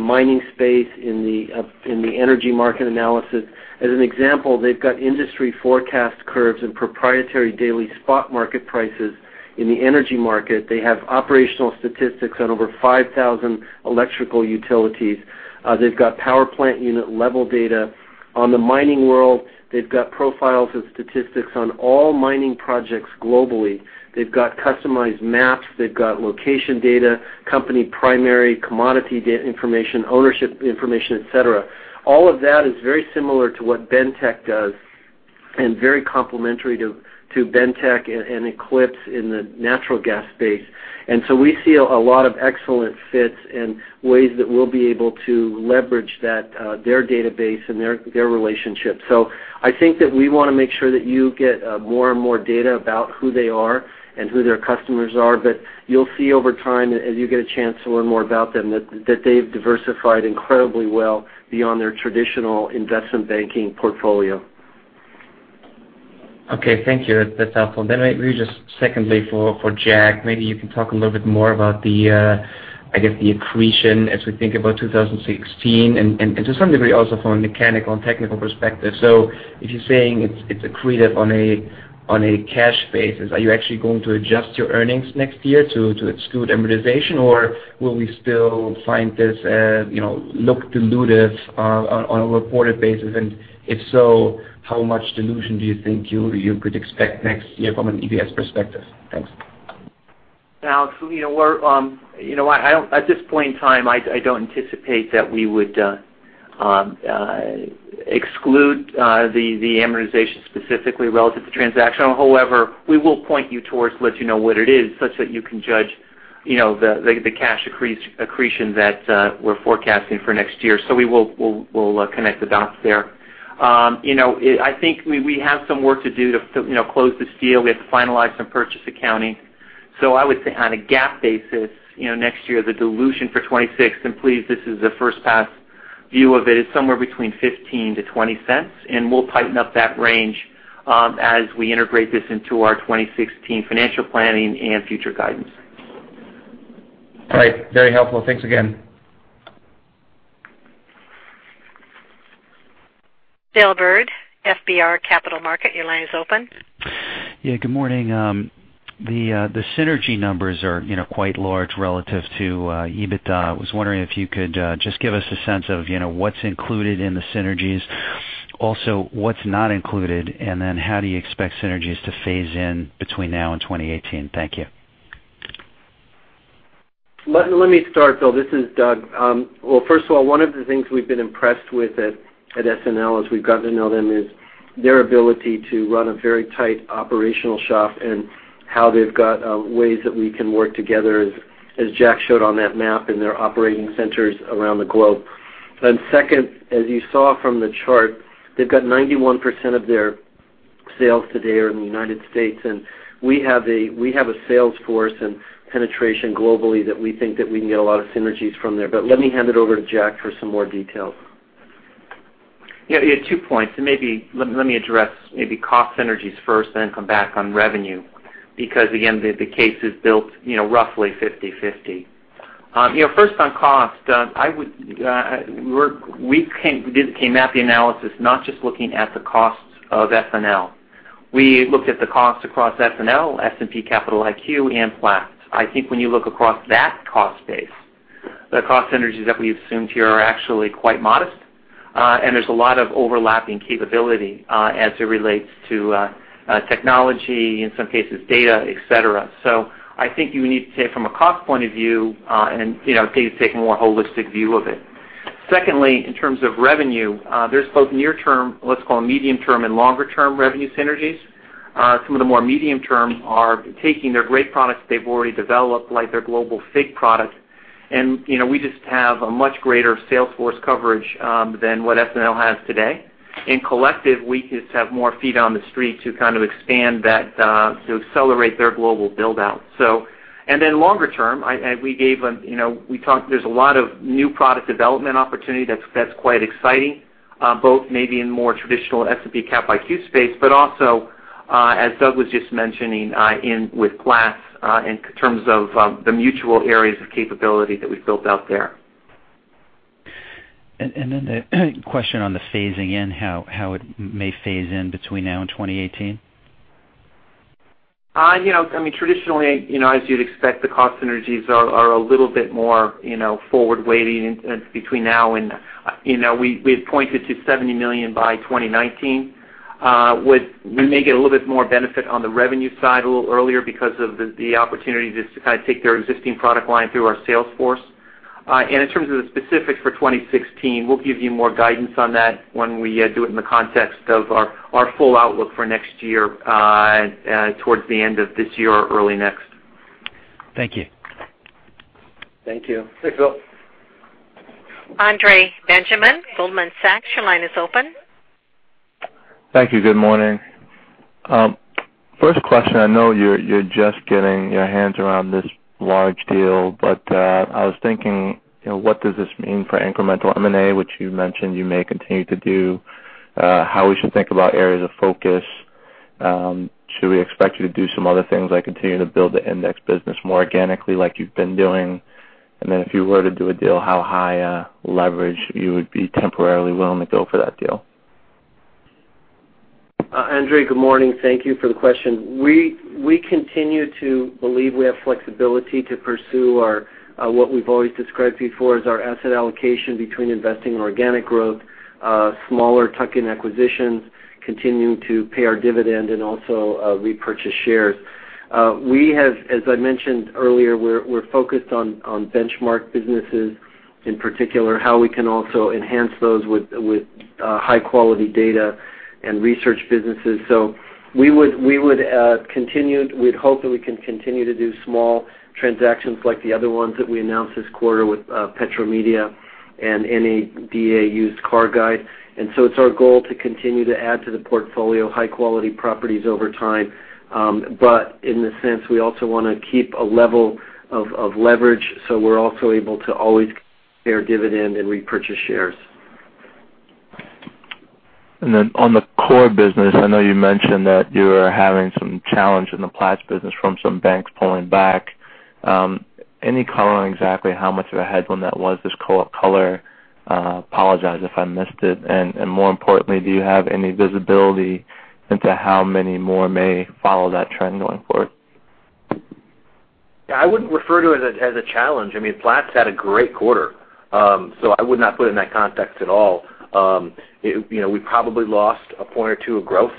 mining space, in the energy market analysis. As an example, they've got industry forecast curves and proprietary daily spot market prices in the energy market. They have operational statistics on over 5,000 electrical utilities. They've got power plant unit level data. On the mining world, they've got profiles and statistics on all mining projects globally. They've got customized maps. They've got location data, company primary, commodity information, ownership information, et cetera. All of that is very similar to what Bentek does and very complementary to Bentek and Eclipse in the natural gas space. We see a lot of excellent fits and ways that we'll be able to leverage their database and their relationship. I think that we want to make sure that you get more and more data about who they are and who their customers are. You'll see over time, as you get a chance to learn more about them, that they've diversified incredibly well beyond their traditional investment banking portfolio. Okay, thank you. That's helpful. Maybe just secondly, for Jack, maybe you can talk a little bit more about the accretion as we think about 2016, and to some degree, also from a mechanical and technical perspective. If you're saying it's accretive on a cash basis, are you actually going to adjust your earnings next year to exclude amortization? Or will we still find this look dilutive on a reported basis? If so, how much dilution do you think you could expect next year from an EPS perspective? Thanks. Alex, at this point in time, I don't anticipate that we would exclude the amortization specifically relative to transactional. However, we will point you towards to let you know what it is, such that you can judge the cash accretion that we're forecasting for next year. We will connect the dots there. I think we have some work to do to close this deal. We have to finalize some purchase accounting. I would say on a GAAP basis, next year, the dilution for 2016, please, this is a first pass view of it, is somewhere between $0.15-$0.20, and we'll tighten up that range as we integrate this into our 2016 financial planning and future guidance. Right. Very helpful. Thanks again. William Bird, FBR Capital Markets, your line is open. Yeah, good morning. The synergy numbers are quite large relative to EBITDA. I was wondering if you could just give us a sense of what's included in the synergies. Also, what's not included, and then how do you expect synergies to phase in between now and 2018? Thank you. Let me start, Bill. This is Doug. Well, first of all, one of the things we've been impressed with at SNL as we've gotten to know them is their ability to run a very tight operational shop and how they've got ways that we can work together, as Jack showed on that map, in their operating centers around the globe. Second, as you saw from the chart, they've got 91% of their sales today are in the U.S., We have a sales force and penetration globally that we think that we can get a lot of synergies from there. Let me hand it over to Jack for some more details. Yeah, two points. Maybe let me address maybe cost synergies first, come back on revenue, because again, the case is built roughly 50/50. First on cost, we came at the analysis not just looking at the costs of SNL. We looked at the cost across SNL, S&P Capital IQ, and Platts. I think when you look across that cost base, the cost synergies that we assumed here are actually quite modest, and there's a lot of overlapping capability as it relates to technology, in some cases, data, et cetera. I think you need to take from a cost point of view, and take a more holistic view of it. Secondly, in terms of revenue, there's both near term, let's call them medium term and longer term revenue synergies. Some of the more medium term are taking their great products they've already developed, like their global FIG product, we just have a much greater sales force coverage than what SNL has today. In collective, we just have more feet on the street to expand that to accelerate their global build-out. Longer term, there's a lot of new product development opportunity that's quite exciting, both maybe in more traditional S&P Capital IQ space, but also, as Doug was just mentioning, with Platts in terms of the mutual areas of capability that we've built out there. The question on the phasing in, how it may phase in between now and 2018? Traditionally, as you'd expect, the cost synergies are a little bit more forward weighting between now. We had pointed to $70 million by 2019. We may get a little bit more benefit on the revenue side a little earlier because of the opportunity to take their existing product line through our sales force. In terms of the specifics for 2016, we'll give you more guidance on that when we do it in the context of our full outlook for next year towards the end of this year or early next. Thank you. Thank you. Thanks, Bill. Andre Benjamin, Goldman Sachs, your line is open. Thank you. Good morning. First question. I know you're just getting your hands around this large deal, but I was thinking, what does this mean for incremental M&A, which you mentioned you may continue to do? How we should think about areas of focus? Should we expect you to do some other things, like continue to build the index business more organically like you've been doing? Then if you were to do a deal, how high a leverage you would be temporarily willing to go for that deal? Andre, good morning. Thank you for the question. We continue to believe we have flexibility to pursue what we've always described before as our asset allocation between investing in organic growth, smaller tuck-in acquisitions, continuing to pay our dividend, and also repurchase shares. As I mentioned earlier, we're focused on benchmark businesses, in particular, how we can also enhance those with high-quality data and research businesses. We'd hope that we can continue to do small transactions like the other ones that we announced this quarter with Petromedia and NADA Used Car Guide. It's our goal to continue to add to the portfolio high-quality properties over time. In the sense, we also want to keep a level of leverage, so we're also able to always pay our dividend and repurchase shares. On the core business, I know you mentioned that you are having some challenge in the Platts business from some banks pulling back. Any color on exactly how much of a headwind that was this quarter? Apologize if I missed it. More importantly, do you have any visibility into how many more may follow that trend going forward? Yeah, I wouldn't refer to it as a challenge. Platts had a great quarter. I would not put it in that context at all. We probably lost a point or two of growth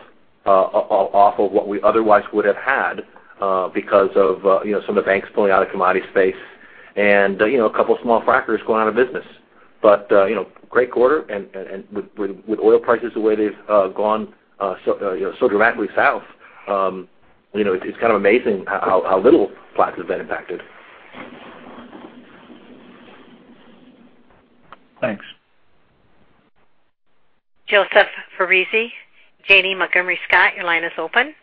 off of what we otherwise would have had because of some of the banks pulling out of commodity space and a couple of small frackers going out of business. Great quarter and with oil prices the way they've gone so dramatically south, it's kind of amazing how little Platts has been impacted. Thanks. Joseph Foresi, Janney Montgomery Scott, your line is open.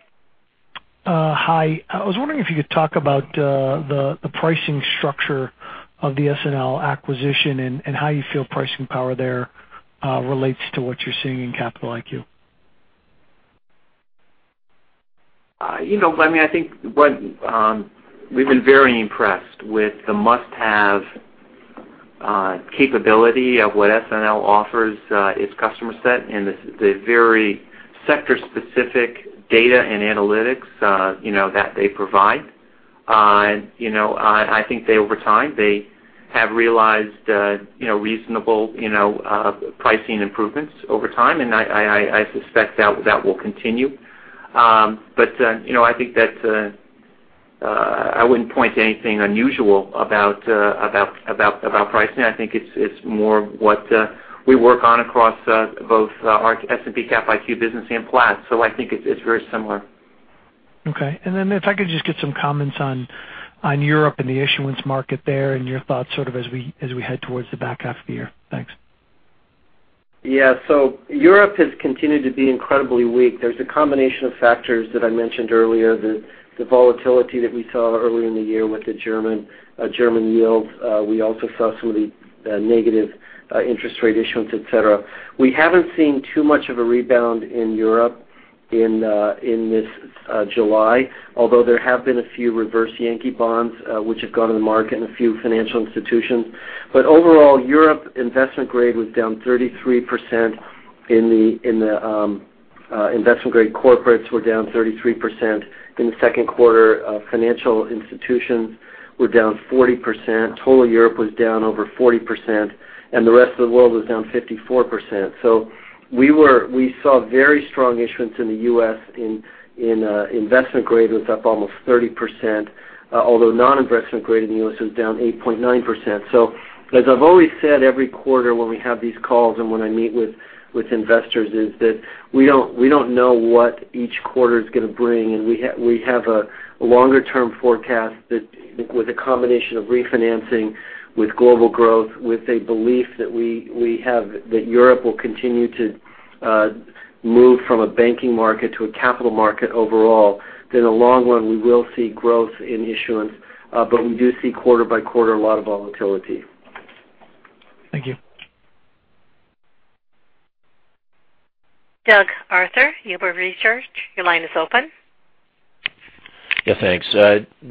Hi. I was wondering if you could talk about the pricing structure of the SNL acquisition and how you feel pricing power there relates to what you're seeing in Capital IQ. I think we've been very impressed with the must-have capability of what SNL offers its customer set and the very sector-specific data and analytics that they provide. I think over time, they have realized reasonable pricing improvements over time, and I suspect that will continue. I think that I wouldn't point to anything unusual about pricing. I think it's more what we work on across both our S&P Cap IQ business and Platts. I think it's very similar. Okay. If I could just get some comments on Europe and the issuance market there and your thoughts sort of as we head towards the back half of the year. Thanks. Yeah. Europe has continued to be incredibly weak. There's a combination of factors that I mentioned earlier, the volatility that we saw early in the year with the German yields. We also saw some of the negative interest rate issuance, et cetera. We haven't seen too much of a rebound in Europe in this July, although there have been a few reverse Yankee bonds which have gone to the market and a few financial institutions. Overall, Europe investment grade was down 33% investment-grade corporates were down 33% in the second quarter. Financial institutions were down 40%. Total Europe was down over 40%, and the rest of the world was down 54%. We saw very strong issuance in the U.S. in investment grade. It was up almost 30%, although non-investment grade in the U.S. was down 8.9%. As I've always said every quarter when we have these calls and when I meet with investors is that we don't know what each quarter is going to bring, and we have a longer-term forecast that with a combination of refinancing, with global growth, with a belief that we have that Europe will continue to move from a banking market to a capital market overall, that in the long run, we will see growth in issuance. We do see quarter by quarter a lot of volatility. Thank you. Douglas Arthur, Huber Research, your line is open. Thanks.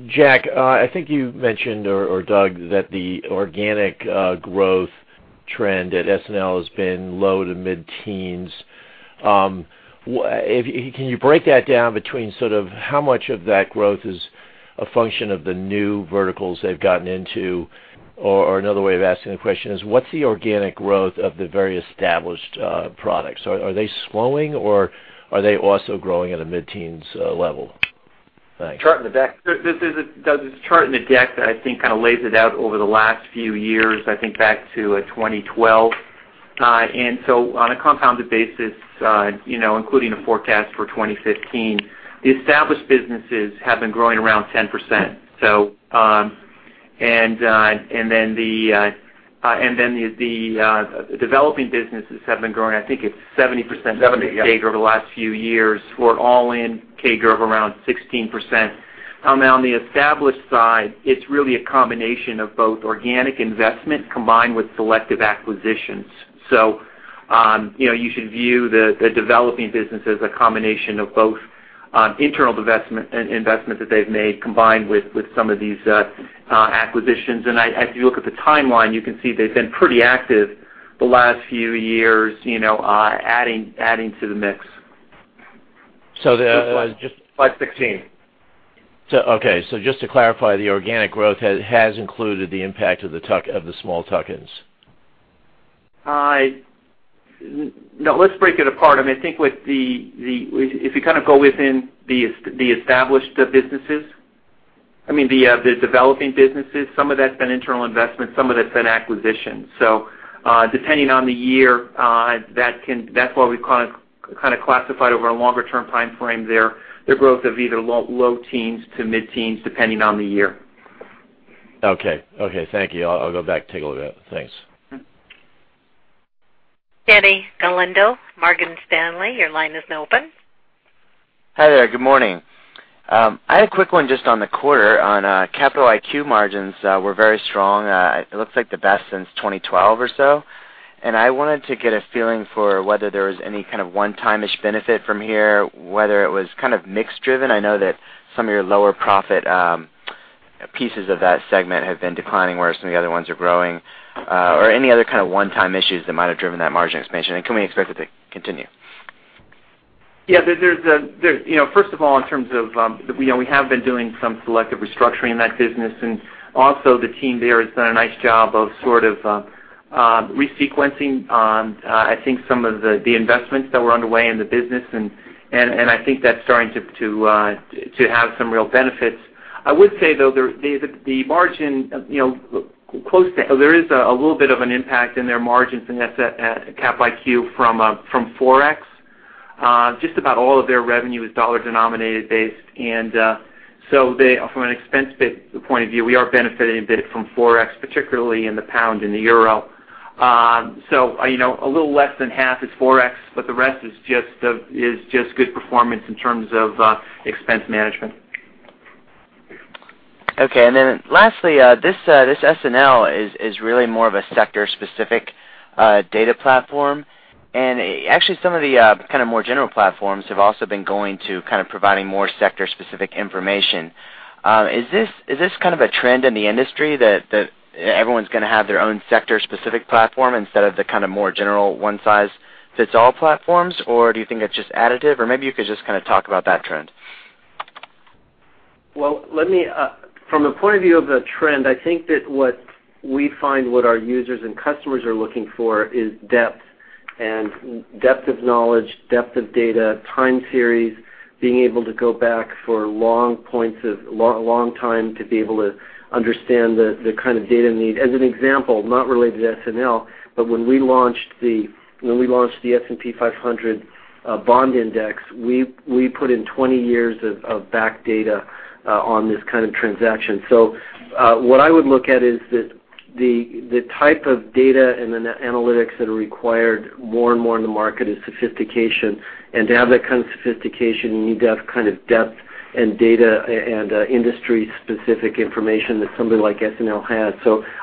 Jack, I think you mentioned, or Doug, that the organic growth trend at SNL has been low to mid-teens. Can you break that down between how much of that growth is a function of the new verticals they've gotten into? Another way of asking the question is, what's the organic growth of the very established products? Are they slowing, or are they also growing at a mid-teens level? Thanks. There's a chart in the deck that I think lays it out over the last few years, I think back to 2012. On a compounded basis, including a forecast for 2015, the established businesses have been growing around 10%. The developing businesses have been growing, I think it's 70%- 70, yeah CAGR over the last few years, for all in CAGR of around 16%. On the established side, it's really a combination of both organic investment combined with selective acquisitions. You should view the developing business as a combination of both internal investment that they've made, combined with some of these acquisitions. As you look at the timeline, you can see they've been pretty active the last few years, adding to the mix. So the- Slide 16. Okay. Just to clarify, the organic growth has included the impact of the small tuck-ins. No, let's break it apart. I think if you go within the established businesses, the developing businesses, some of that's been internal investment, some of that's been acquisition. Depending on the year, that's why we've classified over a longer term timeframe there, the growth of either low teens to mid-teens, depending on the year. Okay. Thank you. I'll go back and take a look at it. Thanks. Denny Galindo, Morgan Stanley, your line is now open. Hi there. Good morning. I had a quick one just on the quarter on Capital IQ margins were very strong. It looks like the best since 2012 or so. I wanted to get a feeling for whether there was any kind of one-timish benefit from here, whether it was mix-driven. I know that some of your lower profit pieces of that segment have been declining, whereas some of the other ones are growing, or any other kind of one-time issues that might have driven that margin expansion. Can we expect it to continue? Yeah. First of all, in terms of, we have been doing some selective restructuring in that business. Also the team there has done a nice job of re-sequencing on some of the investments that were underway in the business, I think that's starting to have some real benefits. I would say, though, there is a little bit of an impact in their margins in Cap IQ from Forex. Just about all of their revenue is dollar denominated based. From an expense point of view, we are benefiting a bit from Forex, particularly in the pound and the euro. A little less than half is Forex, the rest is just good performance in terms of expense management. Okay. Lastly, this SNL is really more of a sector specific data platform. Actually, some of the more general platforms have also been going to providing more sector specific information. Is this a trend in the industry that everyone's going to have their own sector specific platform instead of the more general one-size-fits-all platforms? Do you think it's just additive? Maybe you could just talk about that trend. Well, from the point of view of the trend, I think that what we find what our users and customers are looking for is depth, and depth of knowledge, depth of data, time series, being able to go back for a long time to be able to understand the kind of data need. As an example, not related to SNL, but when we launched the S&P 500 Bond Index, we put in 20 years of back data on this kind of transaction. What I would look at is the type of data and the analytics that are required more and more in the market is sophistication. To have that kind of sophistication, you need to have depth and data and industry specific information that somebody like SNL has.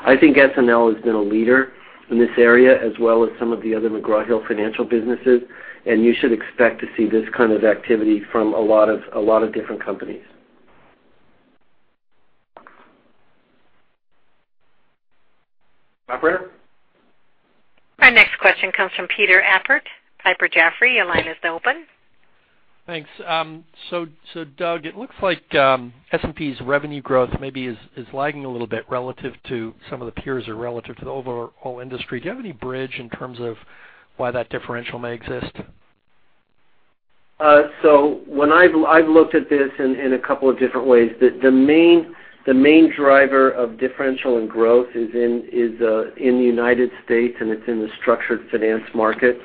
I think SNL has been a leader in this area, as well as some of the other McGraw Hill Financial businesses, you should expect to see this kind of activity from a lot of different companies. Operator? Our next question comes from Peter Appert, Piper Jaffray. Your line is open. Thanks. Doug, it looks like S&P's revenue growth maybe is lagging a little bit relative to some of the peers or relative to the overall industry. Do you have any bridge in terms of why that differential may exist? When I've looked at this in a couple of different ways, the main driver of differential and growth is in the U.S., and it's in the structured finance market,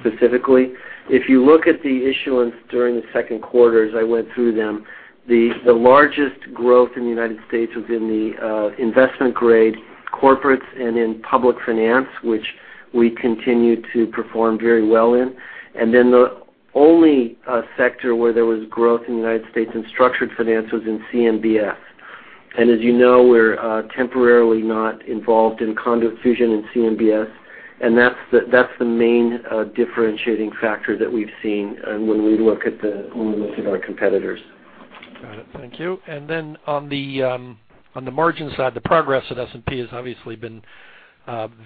specifically. If you look at the issuance during the second quarter, as I went through them, the largest growth in the U.S. was in the investment grade corporates and in public finance, which we continue to perform very well in. The only sector where there was growth in the U.S. in structured finance was in CMBS. As you know, we're temporarily not involved in conduit/fusion and CMBS, and that's the main differentiating factor that we've seen when we look at our competitors. Got it. Thank you. On the margin side, the progress at S&P has obviously been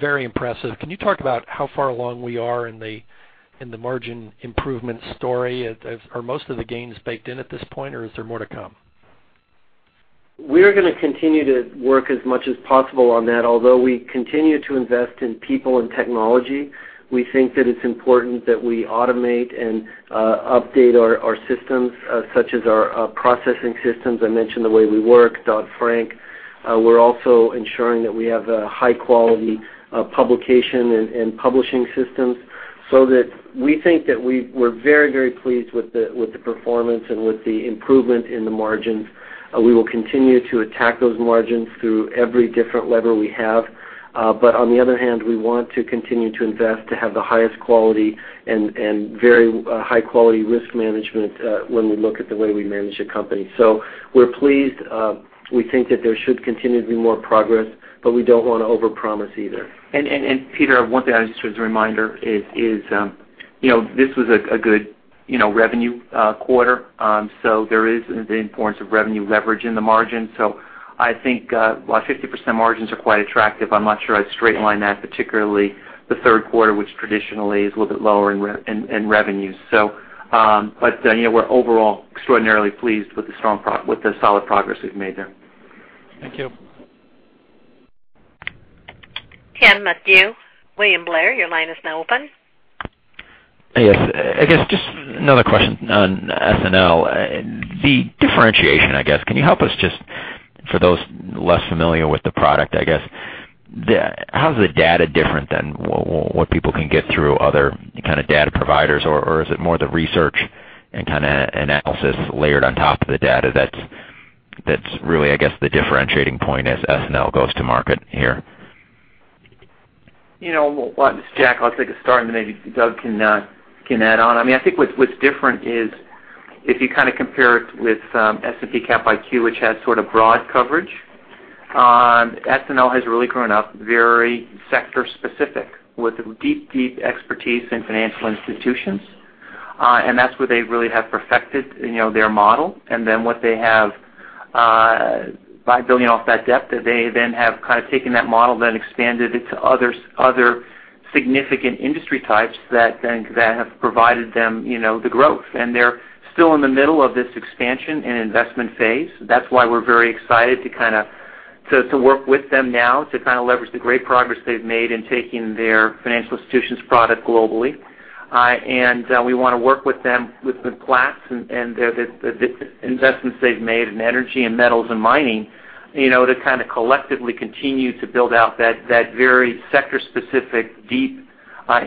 very impressive. Can you talk about how far along we are in the margin improvement story? Are most of the gains baked in at this point, or is there more to come? We are going to continue to work as much as possible on that, although we continue to invest in people and technology. We think that it's important that we automate and update our systems, such as our processing systems. I mentioned The Way We Work, Dodd-Frank. We're also ensuring that we have a high-quality publication and publishing systems so that we think that we're very pleased with the performance and with the improvement in the margins. We will continue to attack those margins through every different lever we have. On the other hand, we want to continue to invest to have the highest quality and very high-quality risk management when we look at the way we manage a company. We're pleased. We think that there should continue to be more progress, we don't want to overpromise either. Peter, one thing, just as a reminder, this was a good revenue quarter. There is the importance of revenue leverage in the margin. I think while 50% margins are quite attractive, I'm not sure I'd straight line that, particularly the third quarter, which traditionally is a little bit lower in revenues. We're overall extraordinarily pleased with the solid progress we've made there. Thank you. Ken McAtamney, William Blair, your line is now open. I guess just another question on SNL. The differentiation, I guess, can you help us just for those less familiar with the product, I guess. How's the data different than what people can get through other kind of data providers? Or is it more the research and kind of analysis layered on top of the data that's really, I guess the differentiating point as SNL goes to market here? Jack, I'll take a start, then maybe Doug can add on. I think what's different is if you compare it with S&P Capital IQ, which has sort of broad coverage. S&P has really grown up very sector specific with deep expertise in financial institutions. That's where they really have perfected their model. Then what they have $5 billion off that debt that they then have kind of taken that model, then expanded it to other significant industry types that have provided them the growth. They're still in the middle of this expansion and investment phase. That's why we're very excited to work with them now to leverage the great progress they've made in taking their financial institutions product globally. We want to work with them, with the Platts and the investments they've made in energy and metals and mining, to kind of collectively continue to build out that very sector-specific, deep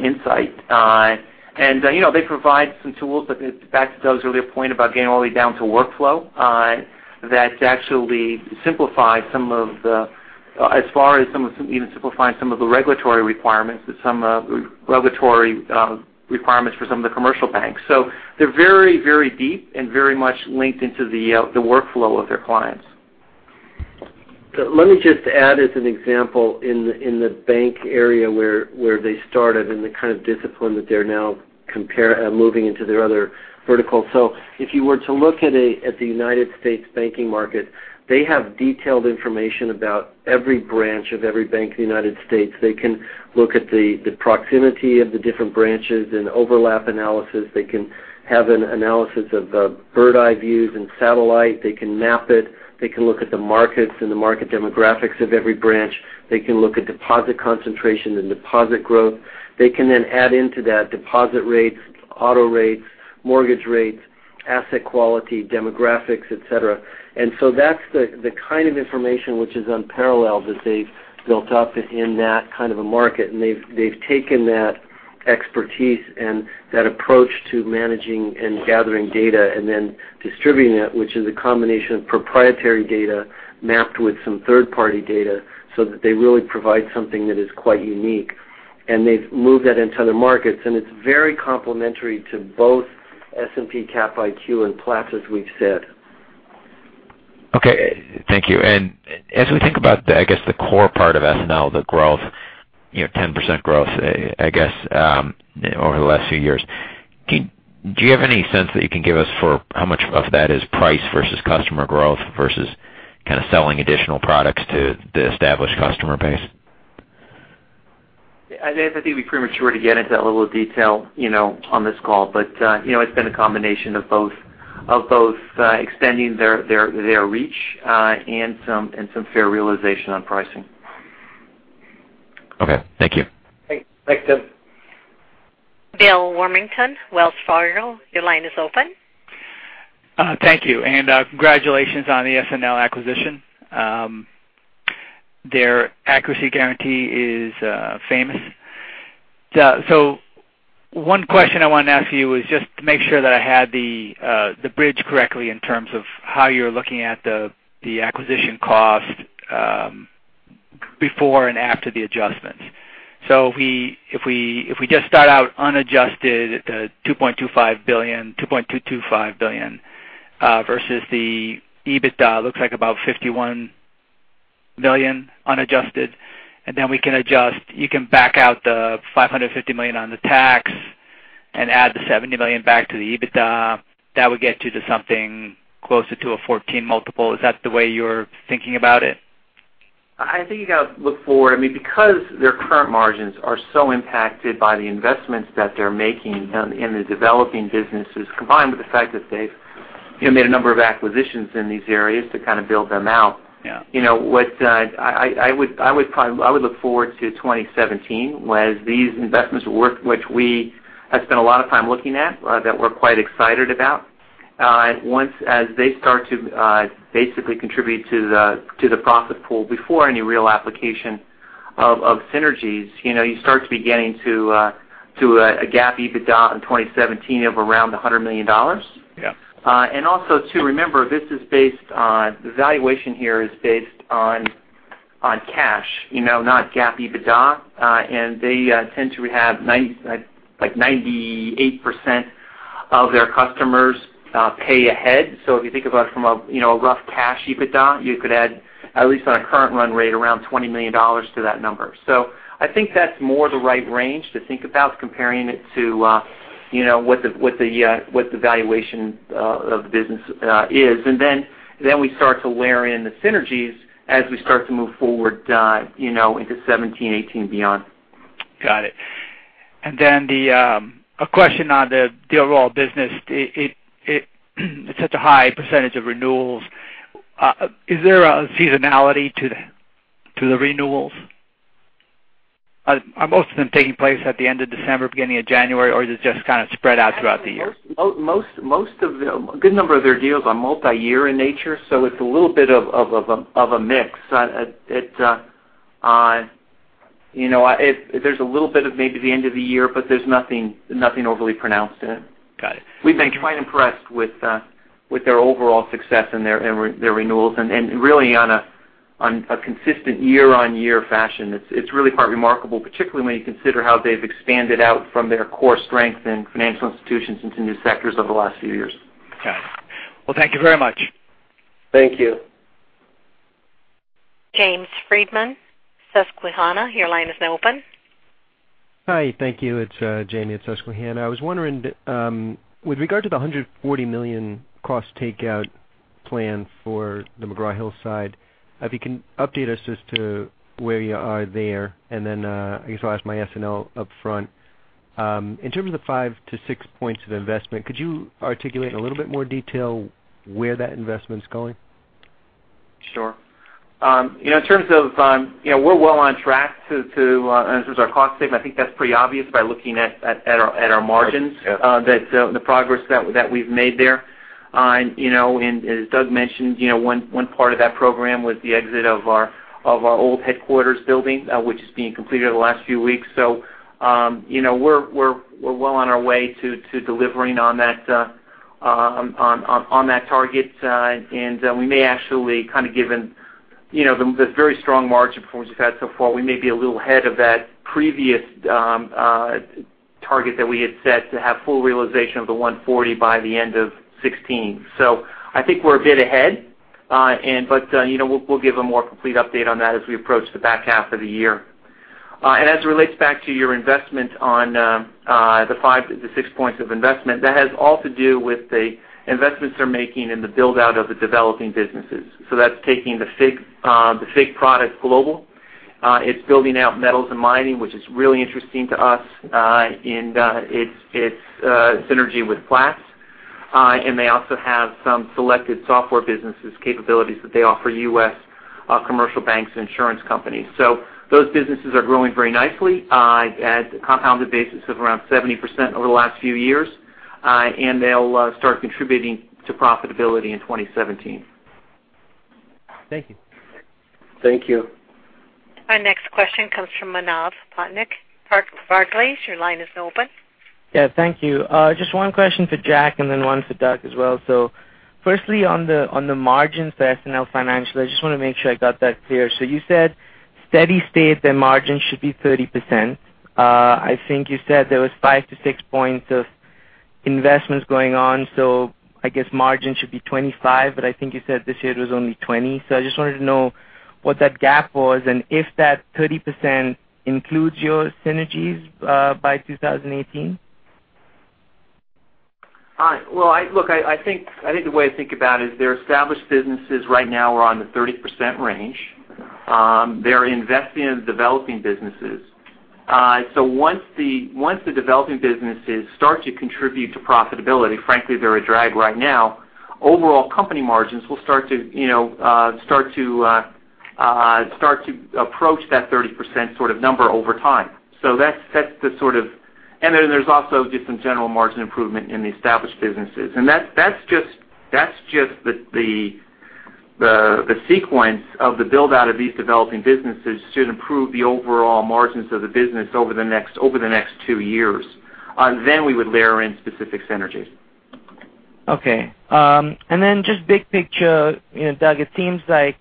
insight. They provide some tools, back to Doug's earlier point about getting all the way down to workflow, that actually simplify some of the regulatory requirements for some of the commercial banks. They're very deep and very much linked into the workflow of their clients. Let me just add as an example in the bank area where they started and the kind of discipline that they're now moving into their other verticals. If you were to look at the U.S. banking market, they have detailed information about every branch of every bank in the U.S. They can look at the proximity of the different branches and overlap analysis. They can have an analysis of the bird's eye views and satellite. They can map it. They can look at the markets and the market demographics of every branch. They can look at deposit concentration and deposit growth. They can then add into that deposit rates, auto rates, mortgage rates, asset quality, demographics, et cetera. That's the kind of information which is unparalleled that they've built up in that kind of a market. They've taken that expertise and that approach to managing and gathering data, then distributing that, which is a combination of proprietary data mapped with some third-party data so that they really provide something that is quite unique. They've moved that into other markets, and it's very complementary to both S&P Capital IQ and Platts, as we've said. Okay. Thank you. As we think about, I guess, the core part of SNL, the growth, 10% growth, I guess, over the last few years, do you have any sense that you can give us for how much of that is price versus customer growth versus kind of selling additional products to the established customer base? I think it'd be premature to get into that level of detail on this call, it's been a combination of both extending their reach, and some fair realization on pricing. Okay. Thank you. Thanks. Thanks, Tim. William Warmington, Wells Fargo, your line is open. Thank you, and congratulations on the SNL acquisition. Their accuracy guarantee is famous. One question I wanted to ask you was just to make sure that I had the bridge correctly in terms of how you're looking at the acquisition cost before and after the adjustments. If we just start out unadjusted at the $2.225 billion versus the EBITDA, looks like about $51 million unadjusted, and then we can adjust. You can back out the $550 million on the tax and add the $70 million back to the EBITDA. That would get you to something closer to a 14 multiple. Is that the way you're thinking about it? I think you got to look forward. Their current margins are so impacted by the investments that they're making in the developing businesses, combined with the fact that they've made a number of acquisitions in these areas to build them out. Yeah. I would look forward to 2017, as these investments work, which we have spent a lot of time looking at, that we're quite excited about. Once as they start to basically contribute to the profit pool before any real application of synergies, you start to be getting to a GAAP EBITDA in 2017 of around $100 million. Yeah. Also too, remember, the valuation here is based on cash, not GAAP EBITDA. They tend to have like 98% of their customers pay ahead. If you think about it from a rough cash EBITDA, you could add at least on a current run rate around $20 million to that number. I think that's more the right range to think about comparing it to what the valuation of the business is. Then we start to layer in the synergies as we start to move forward into 2017, 2018, beyond. Got it. Then a question on the overall business. It's such a high % of renewals. Is there a seasonality to the renewals? Are most of them taking place at the end of December, beginning of January, or is it just spread out throughout the year? A good number of their deals are multi-year in nature. It's a little bit of a mix. There's a little bit of maybe the end of the year. There's nothing overly pronounced in it. Got it. Thank you. We've been quite impressed with their overall success and their renewals, really on a consistent year-on-year fashion. It's really quite remarkable, particularly when you consider how they've expanded out from their core strength in financial institutions into new sectors over the last few years. Okay. Well, thank you very much. Thank you. James Friedman, Susquehanna, your line is now open. Hi, thank you. It's Jamie at Susquehanna Financial Group. I was wondering, with regard to the $140 million cost takeout plan for the McGraw Hill Financial side, if you can update us as to where you are there. I guess I'll ask my SNL Financial upfront. In terms of the five to six points of investment, could you articulate in a little bit more detail where that investment's going? Sure. We're well on track in terms of our cost savings. I think that's pretty obvious by looking at our margins- Yes the progress that we've made there. As Douglas L. Peterson mentioned, one part of that program was the exit of our old headquarters building, which is being completed over the last few weeks. We're well on our way to delivering on that target. We may actually given the very strong margin performance we've had so far, we may be a little ahead of that previous target that we had set to have full realization of the $140 million by the end of 2016. I think we're a bit ahead. We'll give a more complete update on that as we approach the back half of the year. As it relates back to your investment on the five to six points of investment, that has all to do with the investments they're making in the build-out of the developing businesses. That's taking the FIG products global. It's building out metals and mining, which is really interesting to us, and its synergy with Platts. They also have some selected software businesses capabilities that they offer U.S. commercial banks and insurance companies. Those businesses are growing very nicely at a compounded basis of around 70% over the last few years. They'll start contributing to profitability in 2017. Thank you. Thank you. Our next question comes from Manav Patnaik, Barclays. Your line is open. Thank you. Just one question for Jack and then one for Doug as well. Firstly, on the margins, the SNL Financial, I just want to make sure I got that clear. You said steady state, their margins should be 30%. I think you said there was five to six points of investments going on. I guess margin should be 25, but I think you said this year it was only 20. I just wanted to know what that gap was and if that 30% includes your synergies by 2018. Well, look, I think the way to think about it is their established businesses right now are on the 30% range. They're investing in developing businesses. Once the developing businesses start to contribute to profitability, frankly, they're a drag right now, overall company margins will start to approach that 30% number over time. There's also just some general margin improvement in the established businesses. That's just the sequence of the build-out of these developing businesses should improve the overall margins of the business over the next two years. We would layer in specific synergies. Okay. Just big picture, Doug, it seems like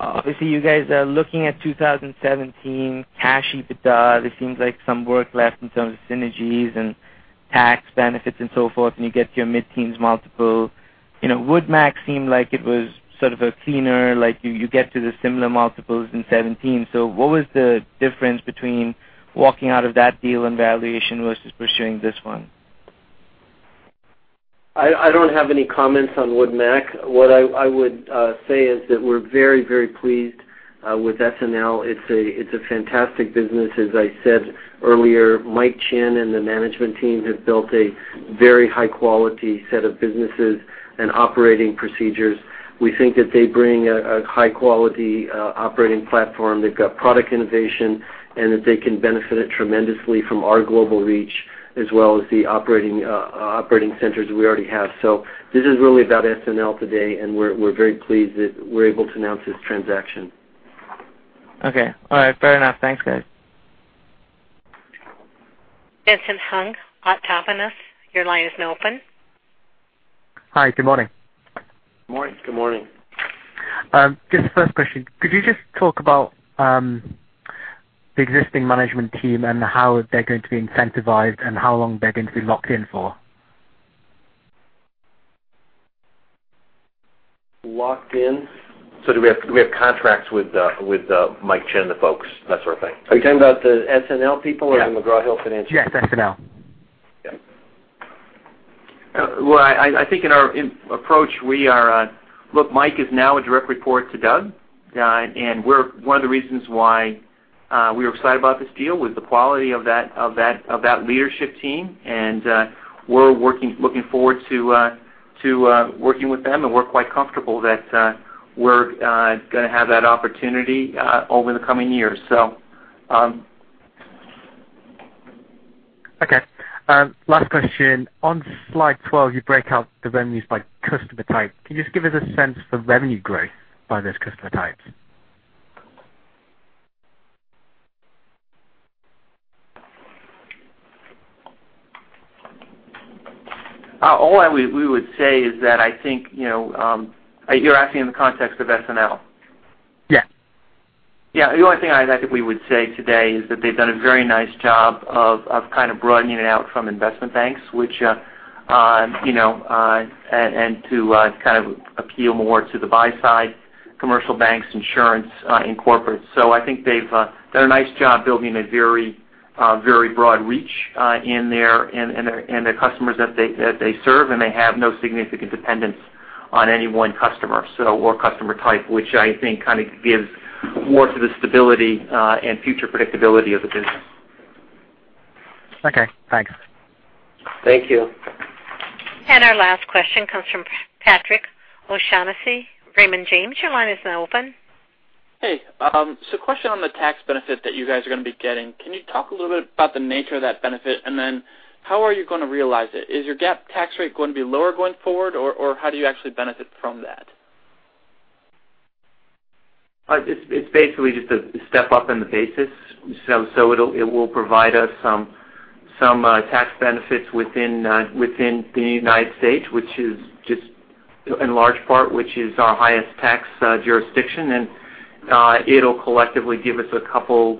obviously you guys are looking at 2017 cash EBITDA. There seems like some work left in terms of synergies and tax benefits and so forth, and you get to your mid-teens multiple. Woodmac seemed like it was sort of a cleaner, like you get to the similar multiples in 2017. What was the difference between walking out of that deal and valuation versus pursuing this one? I don't have any comments on Woodmac. What I would say is that we're very, very pleased with SNL. It's a fantastic business. As I said earlier, Mike Chinn and the management team have built a very high-quality set of businesses and operating procedures. We think that they bring a high-quality operating platform. They've got product innovation, and that they can benefit tremendously from our global reach, as well as the operating centers we already have. This is really about SNL today, and we're very pleased that we're able to announce this transaction. Okay. All right. Fair enough. Thanks, guys. Vincent Hung, Autonomous Research. Your line is now open. Hi, good morning. Morning. Good morning. Just the first question. Could you just talk about the existing management team and how they're going to be incentivized and how long they're going to be locked in for? Locked in? Do we have contracts with Mike Chinn and the folks, that sort of thing? Are you talking about the SNL people or the McGraw Hill Financial people? Yes, SNL. Yes. Well, I think in our approach, Look, Mike is now a direct report to Doug. One of the reasons why we were excited about this deal was the quality of that leadership team. We're looking forward to working with them, and we're quite comfortable that we're going to have that opportunity over the coming years. Okay. Last question. On slide 12, you break out the revenues by customer type. Can you just give us a sense for revenue growth by those customer types? All we would say is that I think, you're asking in the context of SNL? Yeah. Yeah. The only thing I think we would say today is that they've done a very nice job of kind of broadening it out from investment banks, and to kind of appeal more to the buy side, commercial banks, insurance, and corporate. I think they've done a nice job building a very broad reach in their customers that they serve, and they have no significant dependence on any one customer, or customer type, which I think kind of gives more to the stability and future predictability of the business. Okay, thanks. Thank you. Our last question comes from Patrick O'Shaughnessy, Raymond James. Your line is now open. Hey. A question on the tax benefit that you guys are going to be getting. Can you talk a little bit about the nature of that benefit, and then how are you going to realize it? Is your GAAP tax rate going to be lower going forward, or how do you actually benefit from that? It's basically just a step up in the basis. It will provide us some tax benefits within the U.S., in large part, which is our highest tax jurisdiction. It'll collectively give us a couple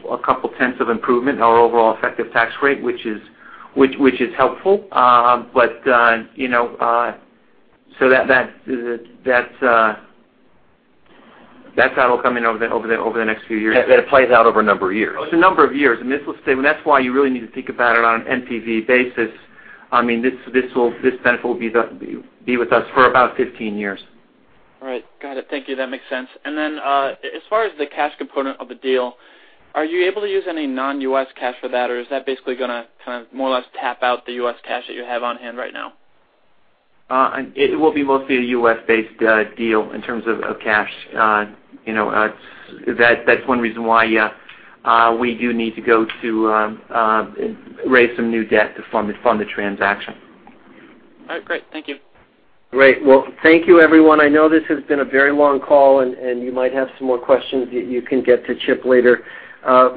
tenths of improvement in our overall effective tax rate, which is helpful. That's how it'll come in over the next few years. That it plays out over a number of years. It's a number of years, That's why you really need to think about it on an NPV basis. This benefit will be with us for about 15 years. All right. Got it. Thank you. That makes sense. As far as the cash component of the deal, are you able to use any non-U.S. cash for that, or is that basically going to kind of more or less tap out the U.S. cash that you have on hand right now? It will be mostly a U.S.-based deal in terms of cash. That's one reason why we do need to go to raise some new debt to fund the transaction. All right, great. Thank you. Great. Thank you everyone. I know this has been a very long call, and you might have some more questions you can get to Chip later.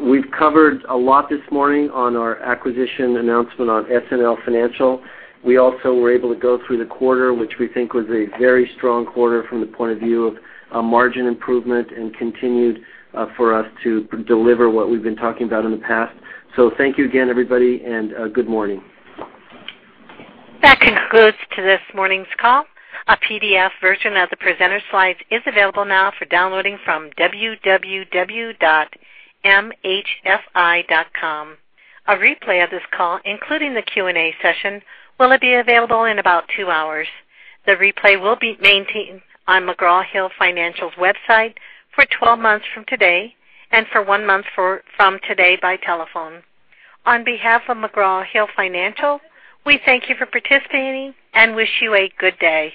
We've covered a lot this morning on our acquisition announcement on SNL Financial. We also were able to go through the quarter, which we think was a very strong quarter from the point of view of margin improvement and continued for us to deliver what we've been talking about in the past. Thank you again, everybody, and good morning. That concludes this morning's call. A PDF version of the presenter slides is available now for downloading from www.mhfi.com. A replay of this call, including the Q&A session, will be available in about two hours. The replay will be maintained on McGraw Hill Financial's website for 12 months from today and for one month from today by telephone. On behalf of McGraw Hill Financial, we thank you for participating and wish you a good day.